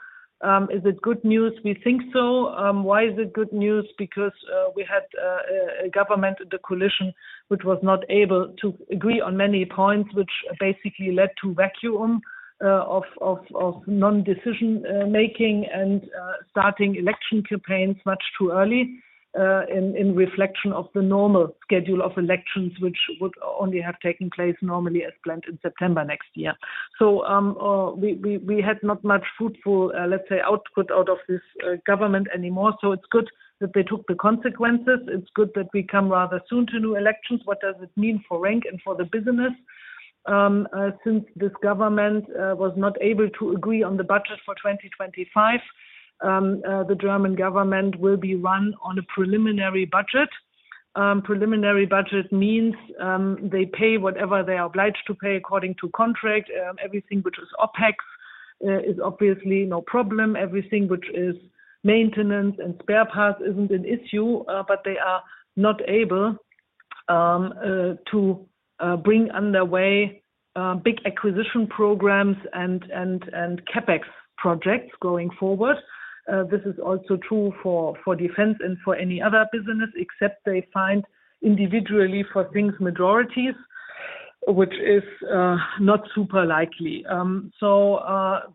Is it good news? We think so. Why is it good news? Because we had a government in the coalition which was not able to agree on many points, which basically led to vacuum of non-decision-making and starting election campaigns much too early in reflection of the normal schedule of elections, which would only have taken place normally as planned in September next year. So we had not much fruitful, let's say, output out of this government anymore. So it's good that they took the consequences. It's good that we come rather soon to new elections. What does it mean for RENK and for the business? Since this government was not able to agree on the budget for 2025, the German government will be run on a preliminary budget. Preliminary budget means they pay whatever they are obliged to pay according to contract. Everything which is OpEx is obviously no problem. Everything which is maintenance and spare parts isn't an issue, but they are not able to bring underway big acquisition programs and CapEx projects going forward. This is also true for defense and for any other business, except they find individually for things majorities, which is not super likely. So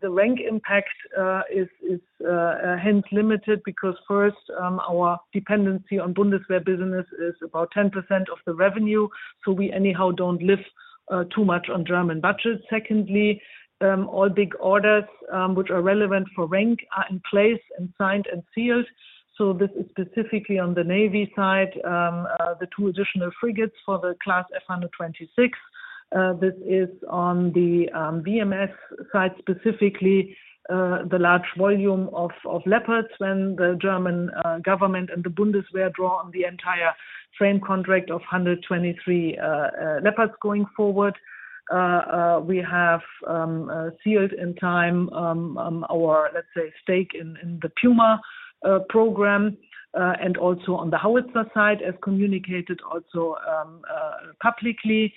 the RENK impact is hence limited because first, our dependency on Bundeswehr business is about 10% of the revenue. So we anyhow don't live too much on German budget. Secondly, all big orders which are relevant for RENK are in place and signed and sealed. So this is specifically on the Navy side, the two additional frigates for the class F126. This is on the VMS side specifically, the large volume of Leopards when the German government and the Bundeswehr draw on the entire frame contract of 123 Leopards going forward. We have sealed in time our, let's say, stake in the Puma program and also on the Howitzer side, as communicated also publicly.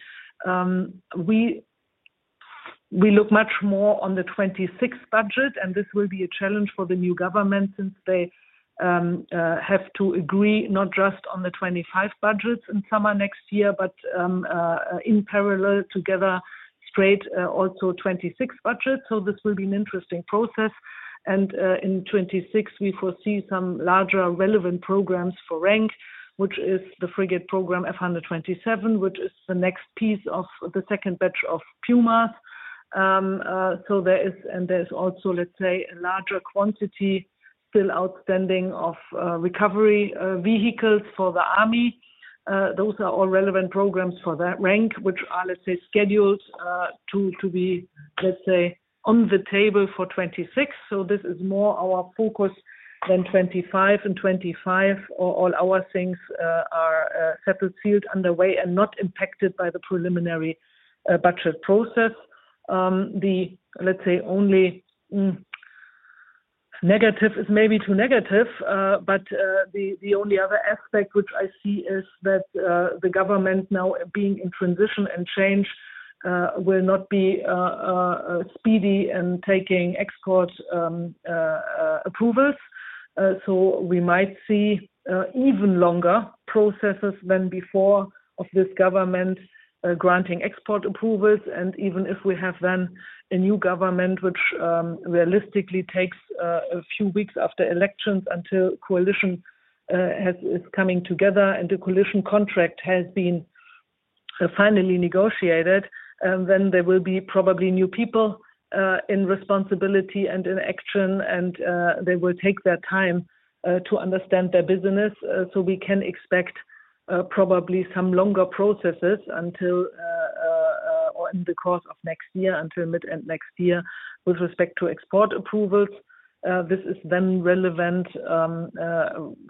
We look much more on the 2026 budget, and this will be a challenge for the new government since they have to agree not just on the 2025 budgets in summer next year, but in parallel together straight also 2026 budgets. So this will be an interesting process. In 2026, we foresee some larger relevant programs for RENK, which is the frigate program F127, which is the next piece of the second batch of Pumas. So there is, and there's also, let's say, a larger quantity still outstanding of recovery vehicles for the Army. Those are all relevant programs for that RENK, which are, let's say, scheduled to be, let's say, on the table for 2026. So this is more our focus than 2025, or all our things are settled, sealed, under way and not impacted by the preliminary budget process. The, let's say, only negative is maybe too negative, but the only other aspect which I see is that the government, now being in transition and change, will not be speedy in taking export approvals. So we might see even longer processes than before of this government granting export approvals. And even if we have then a new government, which realistically takes a few weeks after elections until coalition is coming together and the coalition contract has been finally negotiated, then there will be probably new people in responsibility and in action, and they will take their time to understand their business. So we can expect probably some longer processes until or in the course of next year, until mid-end next year with respect to export approvals. This is then relevant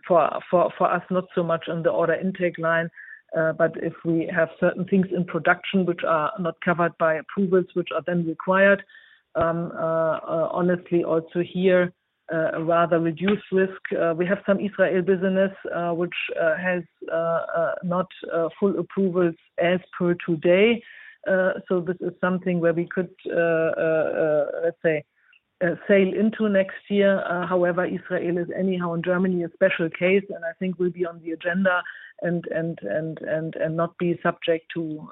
for us not so much on the order intake line, but if we have certain things in production which are not covered by approvals which are then required. Honestly, also here, a rather reduced risk. We have some Israel business which has not full approvals as per today. So this is something where we could, let's say, sail into next year. However, Israel is anyhow in Germany a special case, and I think we'll be on the agenda and not be subject to,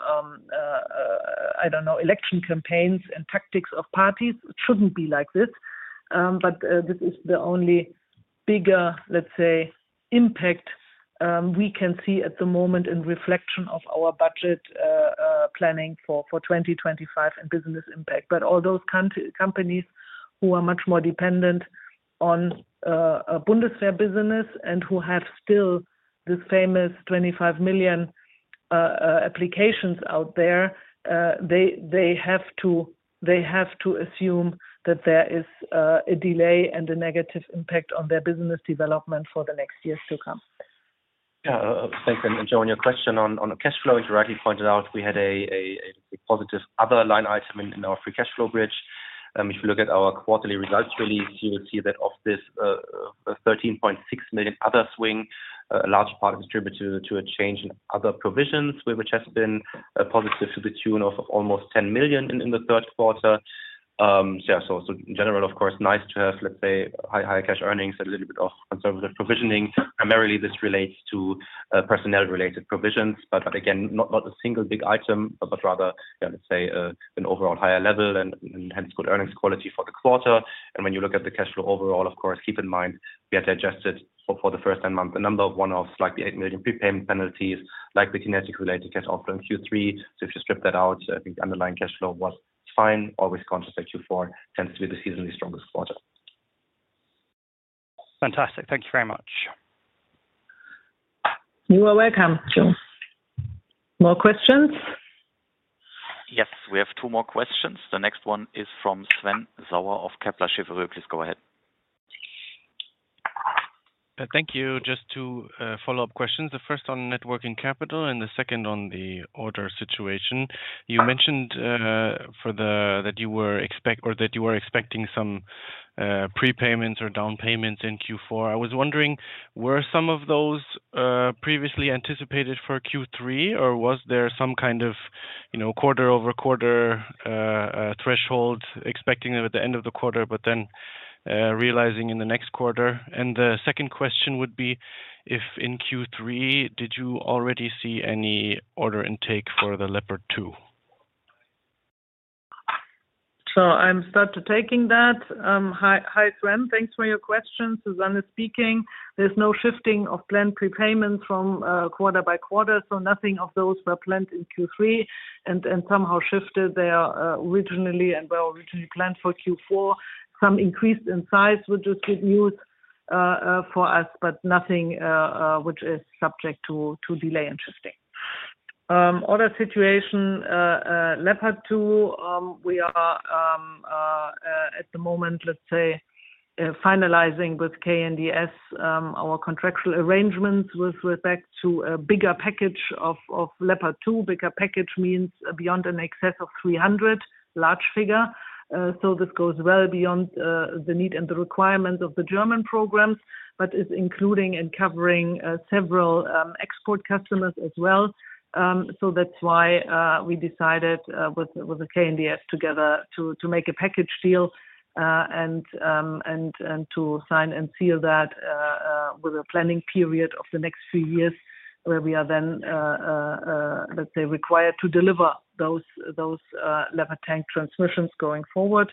I don't know, election campaigns and tactics of parties. It shouldn't be like this. But this is the only bigger, let's say, impact we can see at the moment in reflection of our budget planning for 2025 and business impact. But all those companies who are much more dependent on Bundeswehr business and who have still this famous 25 million applications out there, they have to assume that there is a delay and a negative impact on their business development for the next years to come. Yeah, thanks, and Joe, on your question on cash flow, as you rightly pointed out, we had a positive other line item in our free cash flow bridge. If you look at our quarterly results release, you will see that of this 13.6 million other swing, a large part is attributed to a change in other provisions, which has been positive to the tune of almost 10 million in the third quarter. Yeah, so in general, of course, nice to have, let's say, higher cash earnings and a little bit of conservative provisioning. Primarily, this relates to personnel-related provisions, but again, not a single big item, but rather, let's say, an overall higher level and hence good earnings quality for the quarter. When you look at the cash flow overall, of course, keep in mind we had digested for the first nine months a number of one-offs, like the 8 million prepayment penalties, like the QinetiQ-related cash offer in Q3. If you strip that out, I think the underlying cash flow was fine, always conscious that Q4 tends to be the seasonally strongest quarter. Fantastic. Thank you very much. You are welcome, Joe. More questions? Yes, we have two more questions. The next one is from Sven Sauer of Kepler Cheuvreux. Please go ahead. Thank you. Just two follow-up questions. The first on net working capital and the second on the order situation. You mentioned that you were expecting some prepayments or down payments in Q4. I was wondering, were some of those previously anticipated for Q3, or was there some kind of quarter-over-quarter threshold expecting them at the end of the quarter, but then realizing in the next quarter? And the second question would be, in Q3, did you already see any order intake for the Leopard 2? Hi, Sven. Thanks for your question. Susanne is speaking. There's no shifting of planned prepayments from quarter to quarter. So nothing of those were planned in Q3 and somehow shifted there originally and were originally planned for Q4. Some increased in size, which is good news for us, but nothing which is subject to delay and shifting. Order situation, Leopard 2, we are at the moment, let's say, finalizing with KNDS our contractual arrangements with respect to a bigger package of Leopard 2. Bigger package means beyond an excess of 300, large figure. So this goes well beyond the need and the requirements of the German programs, but is including and covering several export customers as well. So that's why we decided with the KNDS together to make a package deal and to sign and seal that with a planning period of the next few years where we are then, let's say, required to deliver those Leopard tank transmissions going forward.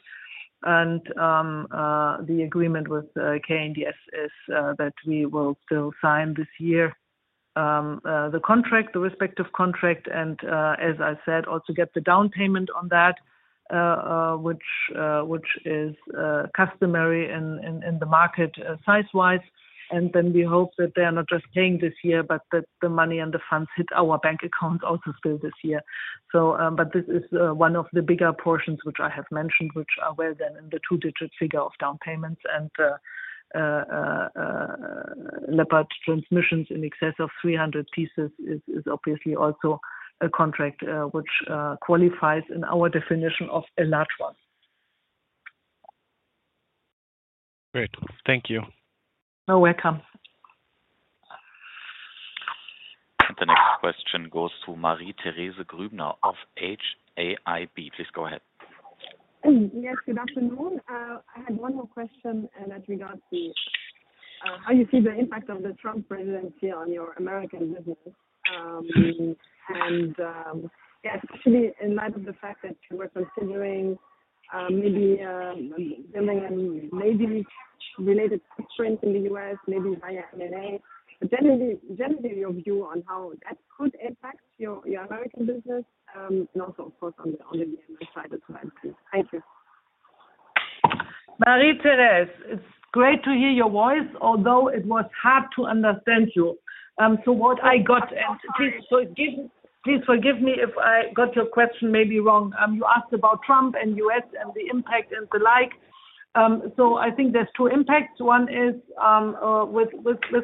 And the agreement with KNDS is that we will still sign this year the contract, the respective contract, and as I said, also get the down payment on that, which is customary in the market size-wise. And then we hope that they are not just paying this year, but that the money and the funds hit our bank accounts also still this year. But this is one of the bigger portions which I have mentioned, which are well then in the two-digit figure of down payments. Leopard transmissions in excess of 300 pieces is obviously also a contract which qualifies in our definition of a large one. Great. Thank you. You're welcome. The next question goes to Marie-Thér`ese Grübner of HAIB. Please go ahead. Yes, good afternoon. I had one more question regarding how you see the impact of the Trump presidency on your American business, and yeah, especially in light of the fact that you were considering maybe building a Navy-related footprint in the U.S., maybe via M&A. But generally, your view on how that could impact your American business and also, of course, on the Vietnam side as well. Thank you. Marie-Thér`ese, it's great to hear your voice, although it was hard to understand you. So what I got and please forgive me if I got your question maybe wrong. You asked about Trump and U.S. and the impact and the like. So I think there's two impacts. One is with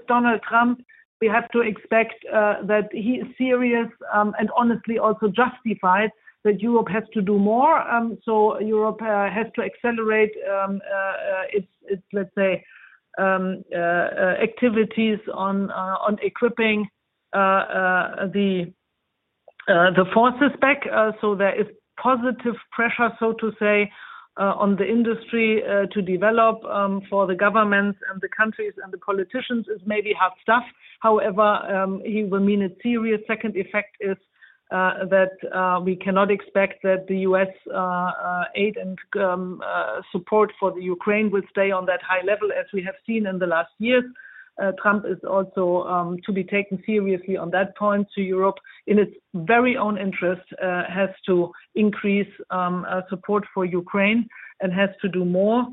Donald Trump, we have to expect that he is serious and honestly also justified that Europe has to do more. So Europe has to accelerate its, let's say, activities on equipping the forces back. So there is positive pressure, so to say, on the industry to develop for the governments and the countries and the politicians is maybe hard stuff. However, he will mean it serious. Second effect is that we cannot expect that the U.S. aid and support for the Ukraine will stay on that high level as we have seen in the last years. Trump is also to be taken seriously on that point. So Europe, in its very own interest, has to increase support for Ukraine and has to do more.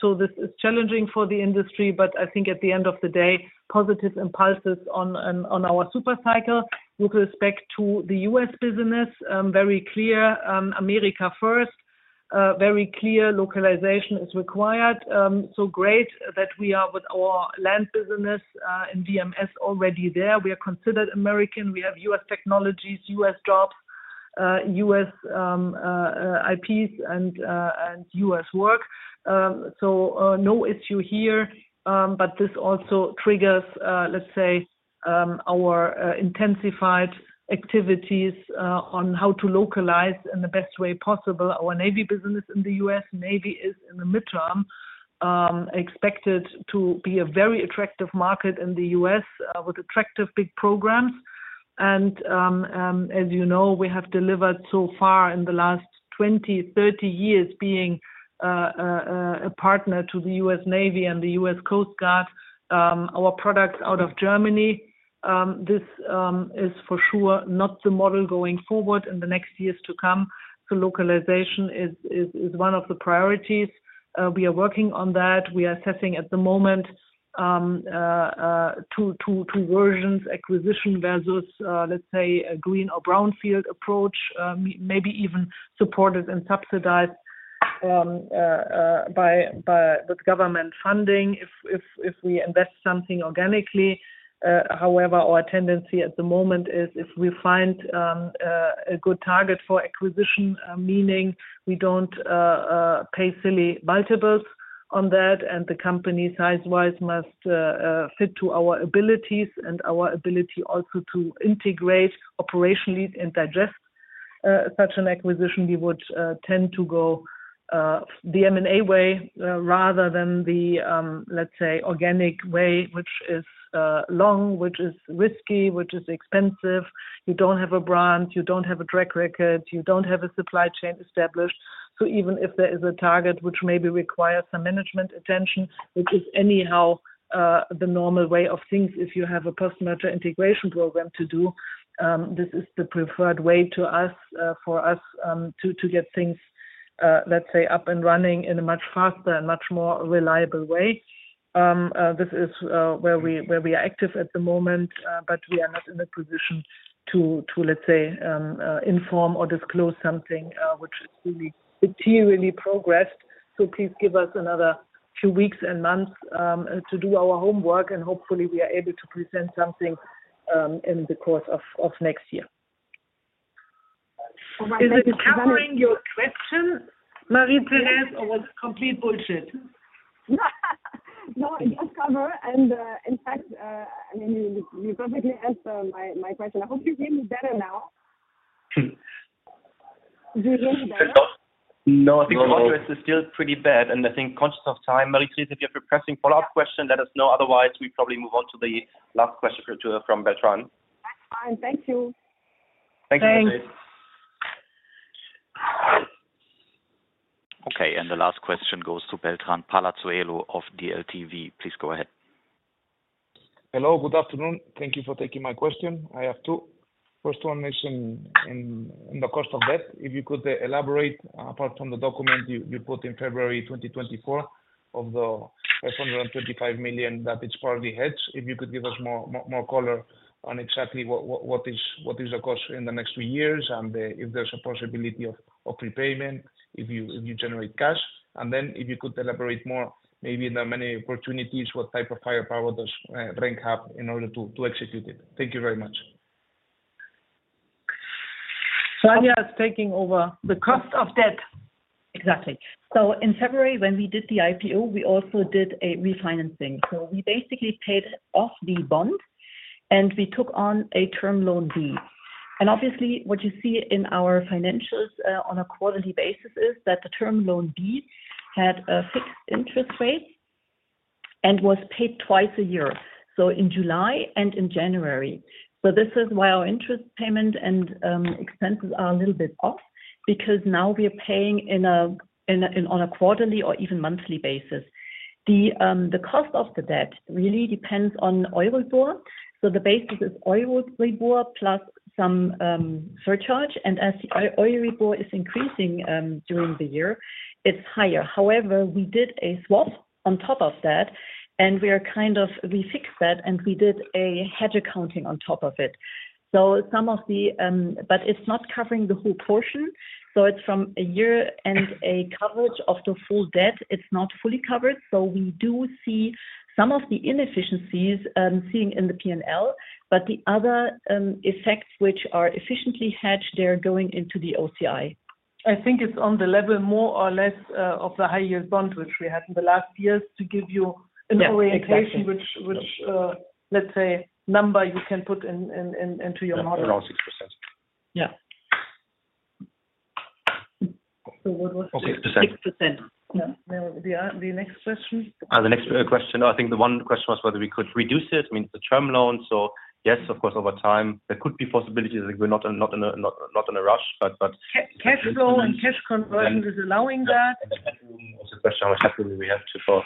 So this is challenging for the industry, but I think at the end of the day, positive impulses on our super-cycle with respect to the U.S. business, very clear, America first, very clear localization is required. So great that we are with our land business and VMS already there. We are considered American. We have U.S. technologies, U.S. jobs, U.S. IPs, and U.S. work. So no issue here, but this also triggers, let's say, our intensified activities on how to localize in the best way possible our Navy business in the U.S. Navy is in the midterm expected to be a very attractive market in the U.S. with attractive big programs. And as you know, we have delivered so far in the last 20, 30 years being a partner to the U.S. Navy and the U.S. Coast Guard, our products out of Germany. This is for sure not the model going forward in the next years to come. So localization is one of the priorities. We are working on that. We are assessing at the moment two versions, acquisition versus, let's say, a green or brownfield approach, maybe even supported and subsidized with government funding if we invest something organically. However, our tendency at the moment is if we find a good target for acquisition, meaning we don't pay silly multiples on that, and the company size-wise must fit to our abilities and our ability also to integrate operationally and digest such an acquisition, we would tend to go the M&A way rather than the, let's say, organic way, which is long, which is risky, which is expensive. You don't have a brand, you don't have a track record, you don't have a supply chain established. So even if there is a target which maybe requires some management attention, which is anyhow the normal way of things, if you have a post-merger integration program to do, this is the preferred way for us to get things, let's say, up and running in a much faster and much more reliable way. This is where we are active at the moment, but we are not in a position to, let's say, inform or disclose something which is really materially progressed. So please give us another few weeks and months to do our homework, and hopefully we are able to present something in the course of next year. Is it covering your question, Marie-Thér`ese, or was it complete bullshit? No, it does cover. And in fact, I mean, you perfectly answered my question. I hope you hear me better now. Do you hear me better? No, I think the order is still pretty bad. And I think conscious of time, Marie-Thér`ese, if you have a pressing follow-up question, let us know. Otherwise, we probably move on to the last question from Beltran. That's fine. Thank you. Thanks, Thér`ese. Okay, and the last question goes to Beltran Palazuelo of DLTV. Please go ahead. Hello, good afternoon. Thank you for taking my question. I have two. First one, the cost of debt. If you could elaborate, apart from the document you put in February 2024 of the 525 million that it's partly hedged, if you could give us more color on exactly what is the cost in the next few years and if there's a possibility of prepayment if you generate cash, and then if you could elaborate more, maybe there are many opportunities, what type of firepower does RENK have in order to execute it? Thank you very much. Anja is taking over. The cost of debt. Exactly. So in February, when we did the IPO, we also did a refinancing, so we basically paid off the bond, and we took on a Term Loan B. And obviously, what you see in our financials on a quarterly basis is that the Term Loan B had a fixed interest rate and was paid twice a year, so in July and in January. This is why our interest payment and expenses are a little bit off because now we are paying on a quarterly or even monthly basis. The cost of the debt really depends on EURIBOR. The basis is EURIBOR plus some surcharge. And as the EURIBOR is increasing during the year, it's higher. However, we did a swap on top of that, and we are kind of, we fixed that, and we did a hedge accounting on top of it. So some of the, but it's not covering the whole portion. So it's from a year and a coverage of the full debt. It's not fully covered. So we do see some of the inefficiencies seen in the P&L, but the other effects which are efficiently hedged, they're going into the OCI. I think it's on the level more or less of the high-yield bond, which we had in the last years, to give you an orientation, which, let's say, number you can put into your model. Around 6%. Yeah. So what was the 6%? The next question? The next question, I think the one question was whether we could reduce it. I mean, it's a term loan. So yes, of course, over time, there could be possibilities. We're not in a rush, but. Cash flow and cash conversion is allowing that. What's the question? What do we have to for?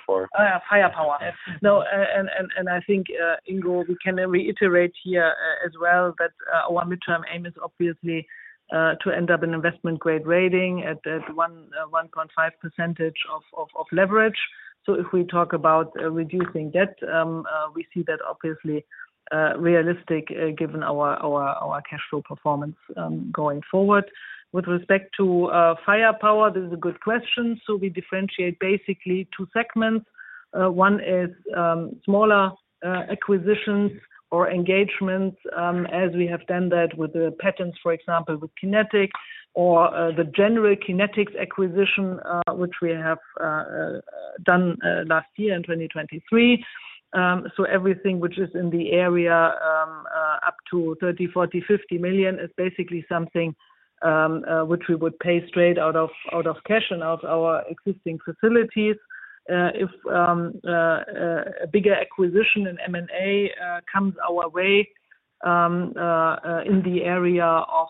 Firepower. And I think, Ingo, we can reiterate here as well that our midterm aim is obviously to end up in investment-grade rating at 1.5% leverage. So if we talk about reducing debt, we see that obviously realistic given our cash flow performance going forward. With respect to firepower, this is a good question. So we differentiate basically two segments. One is smaller acquisitions or engagements as we have done that with the patents, for example, with QinetiQ or the general QinetiQ acquisition, which we have done last year in 2023. So everything which is in the area up to 30 million, 40 million, 50 million is basically something which we would pay straight out of cash and out of our existing facilities. If a bigger acquisition in M&A comes our way in the area of,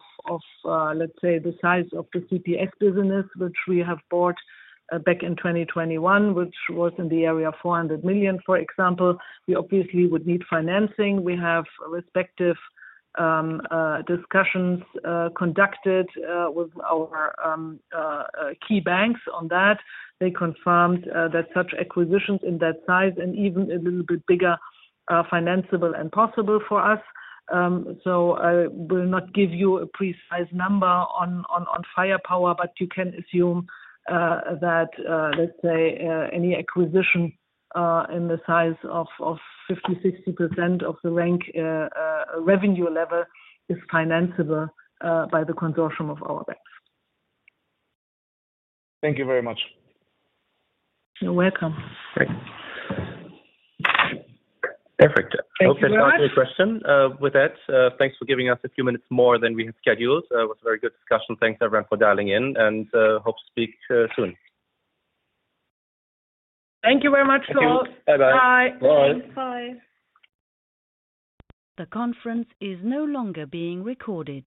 let's say, the size of the CPS business, which we have bought back in 2021, which was in the area of 400 million, for example, we obviously would need financing. We have respective discussions conducted with our key banks on that. They confirmed that such acquisitions in that size and even a little bit bigger are financeable and possible for us. So I will not give you a precise number on firepower, but you can assume that, let's say, any acquisition in the size of 50%-60% of the RENK revenue level is financeable by the consortium of our banks. Thank you very much. You're welcome. Perfect. I hope that answered your question. With that, thanks for giving us a few minutes more than we have scheduled. It was a very good discussion. Thanks, everyone, for dialing in, and hope to speak soon. Thank you very much to all. Thank you. Bye-bye. Bye. Bye. The conference is no longer being recorded.